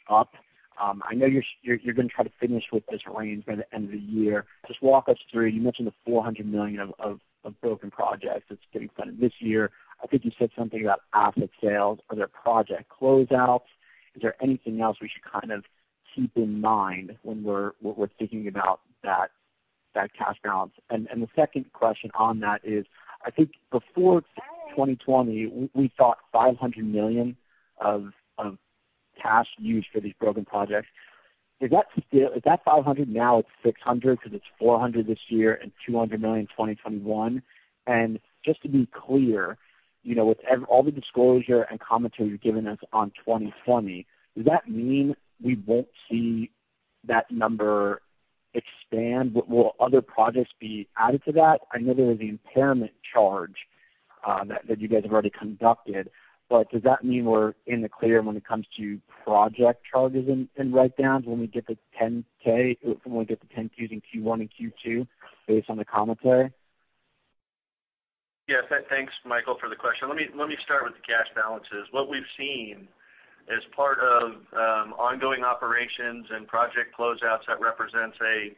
Speaker 12: up? I know you're going to try to finish with this range by the end of the year. Just walk us through, you mentioned the $400 million of broken projects that's getting funded this year. I think you said something about asset sales. Are there project closeouts? Is there anything else we should kind of keep in mind when we're thinking about that cash balance? The second question on that is, I think before 2020, we thought $500 million of cash used for these broken projects. Is that $500 million? Now it's $600 million because it's $400 million this year and $200 million in 2021? Just to be clear, with all the disclosure and commentary you've given us on 2020, does that mean we won't see that number expand? Will other projects be added to that? I know there was the impairment charge that you guys have already conducted, does that mean we're in the clear when it comes to project charges and write downs when we get the 10-K using Q1 and Q2 based on the commentary?
Speaker 5: Yes. Thanks, Michael, for the question. Let me start with the cash balances. What we've seen as part of ongoing operations and project closeouts, that represents a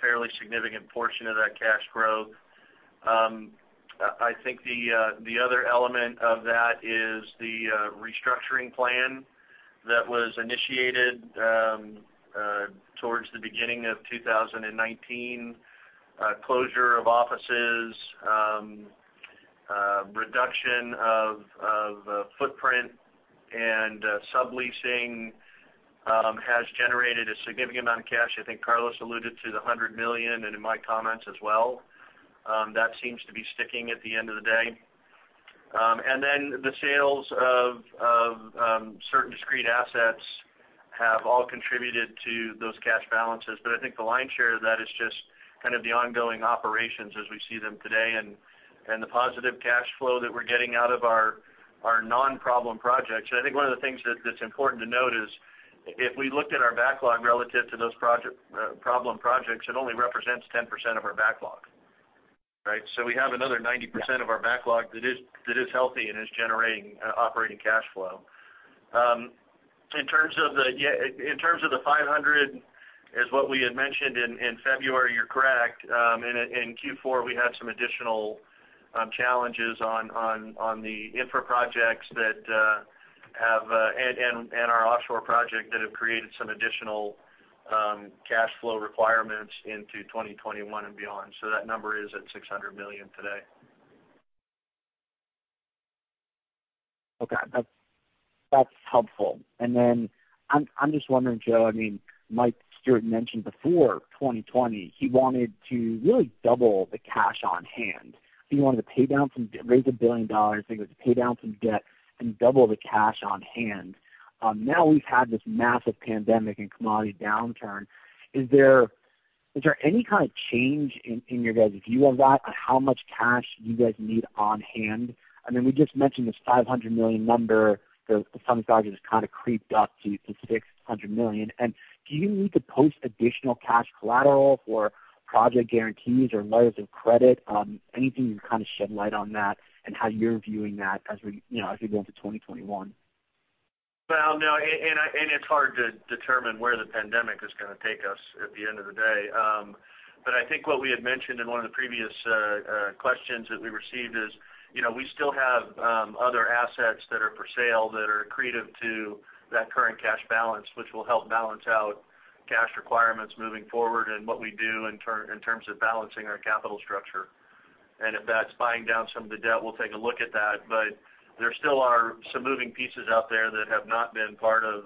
Speaker 5: fairly significant portion of that cash growth. I think the other element of that is the restructuring plan that was initiated towards the beginning of 2019. Closure of offices, reduction of footprint, and subleasing has generated a significant amount of cash. I think Carlos alluded to the $100 million, and in my comments as well. That seems to be sticking at the end of the day. Then the sales of certain discrete assets have all contributed to those cash balances. I think the lion's share of that is just kind of the ongoing operations as we see them today and the positive cash flow that we're getting out of our non-problem projects. I think one of the things that's important to note is, if we looked at our backlog relative to those problem projects, it only represents 10% of our backlog. Right? We have another 90% of our backlog that is healthy and is generating operating cash flow. In terms of the $500 million is what we had mentioned in February, you're correct. In Q4, we had some additional challenges on the infra projects and our offshore project that have created some additional cash flow requirements into 2021 and beyond. That number is at $600 million today.
Speaker 12: Okay. That's helpful. I'm just wondering, Joe, Mike Steuert mentioned before 2020, he wanted to really double the cash on hand. He wanted to raise $1 billion, I think it was to pay down some debt and double the cash on hand. Now we've had this massive pandemic and commodity downturn. Is there any kind of change in your guys' view of that on how much cash you guys need on hand? We just mentioned this $500 million number. The sum target has kind of creeped up to $600 million. Do you need to post additional cash collateral for project guarantees or letters of credit? Anything you can kind of shed light on that and how you're viewing that as we go into 2021?
Speaker 5: Well, no, and it's hard to determine where the pandemic is going to take us at the end of the day. I think what we had mentioned in one of the previous questions that we received is, we still have other assets that are for sale that are accretive to that current cash balance, which will help balance out cash requirements moving forward and what we do in terms of balancing our capital structure. If that's buying down some of the debt, we'll take a look at that. There still are some moving pieces out there that have not been part of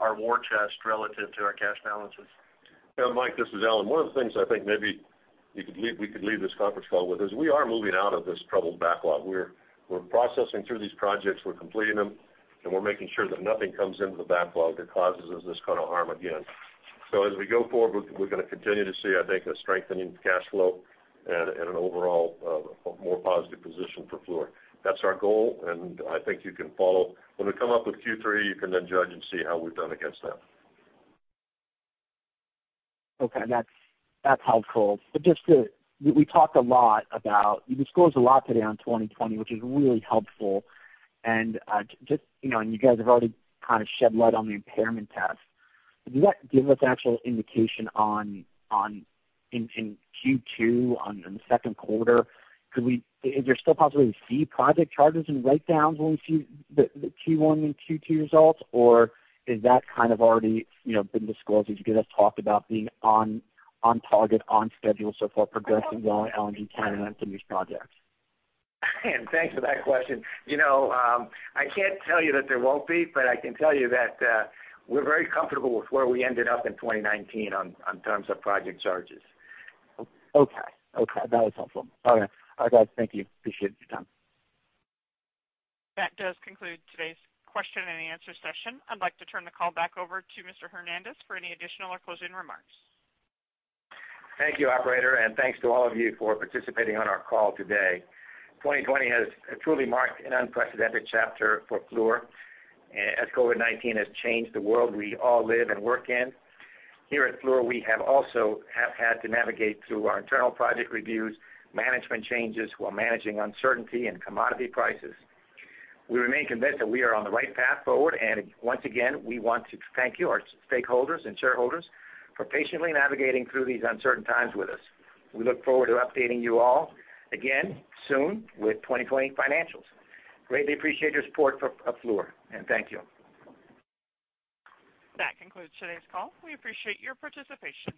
Speaker 5: our war chest relative to our cash balances.
Speaker 3: Yeah, Mike, this is Alan. One of the things I think maybe we could leave this conference call with is we are moving out of this troubled backlog. We're processing through these projects, we're completing them, and we're making sure that nothing comes into the backlog that causes us this kind of harm again. As we go forward, we're going to continue to see, I think, a strengthening cash flow and an overall more positive position for Fluor. That's our goal, and I think you can follow. When we come up with Q3, you can then judge and see how we've done against that.
Speaker 12: Okay. That's helpful. You disclosed a lot today on 2020, which is really helpful. You guys have already kind of shed light on the impairment test. Does that give us actual indication in Q2, in the second quarter, is there still a possibility to see project charges and write-downs when we see the Q1 and Q2 results? Is that kind of already been disclosed as you guys talked about being on target, on schedule so far progressing well and continuing to finish projects?
Speaker 4: Thanks for that question. I can't tell you that there won't be, but I can tell you that we're very comfortable with where we ended up in 2019 in terms of project charges.
Speaker 12: Okay. That was helpful. All right. All right, guys, thank you. Appreciate your time.
Speaker 1: That does conclude today's question and answer session. I'd like to turn the call back over to Mr. Hernandez for any additional or closing remarks.
Speaker 4: Thank you, operator, and thanks to all of you for participating on our call today. 2020 has truly marked an unprecedented chapter for Fluor, as COVID-19 has changed the world we all live and work in. Here at Fluor, we have also have had to navigate through our internal project reviews, management changes while managing uncertainty and commodity prices. We remain convinced that we are on the right path forward, and once again, we want to thank you, our stakeholders and shareholders, for patiently navigating through these uncertain times with us. We look forward to updating you all again soon with 2020 financials. Greatly appreciate your support for Fluor, and thank you.
Speaker 1: That concludes today's call. We appreciate your participation.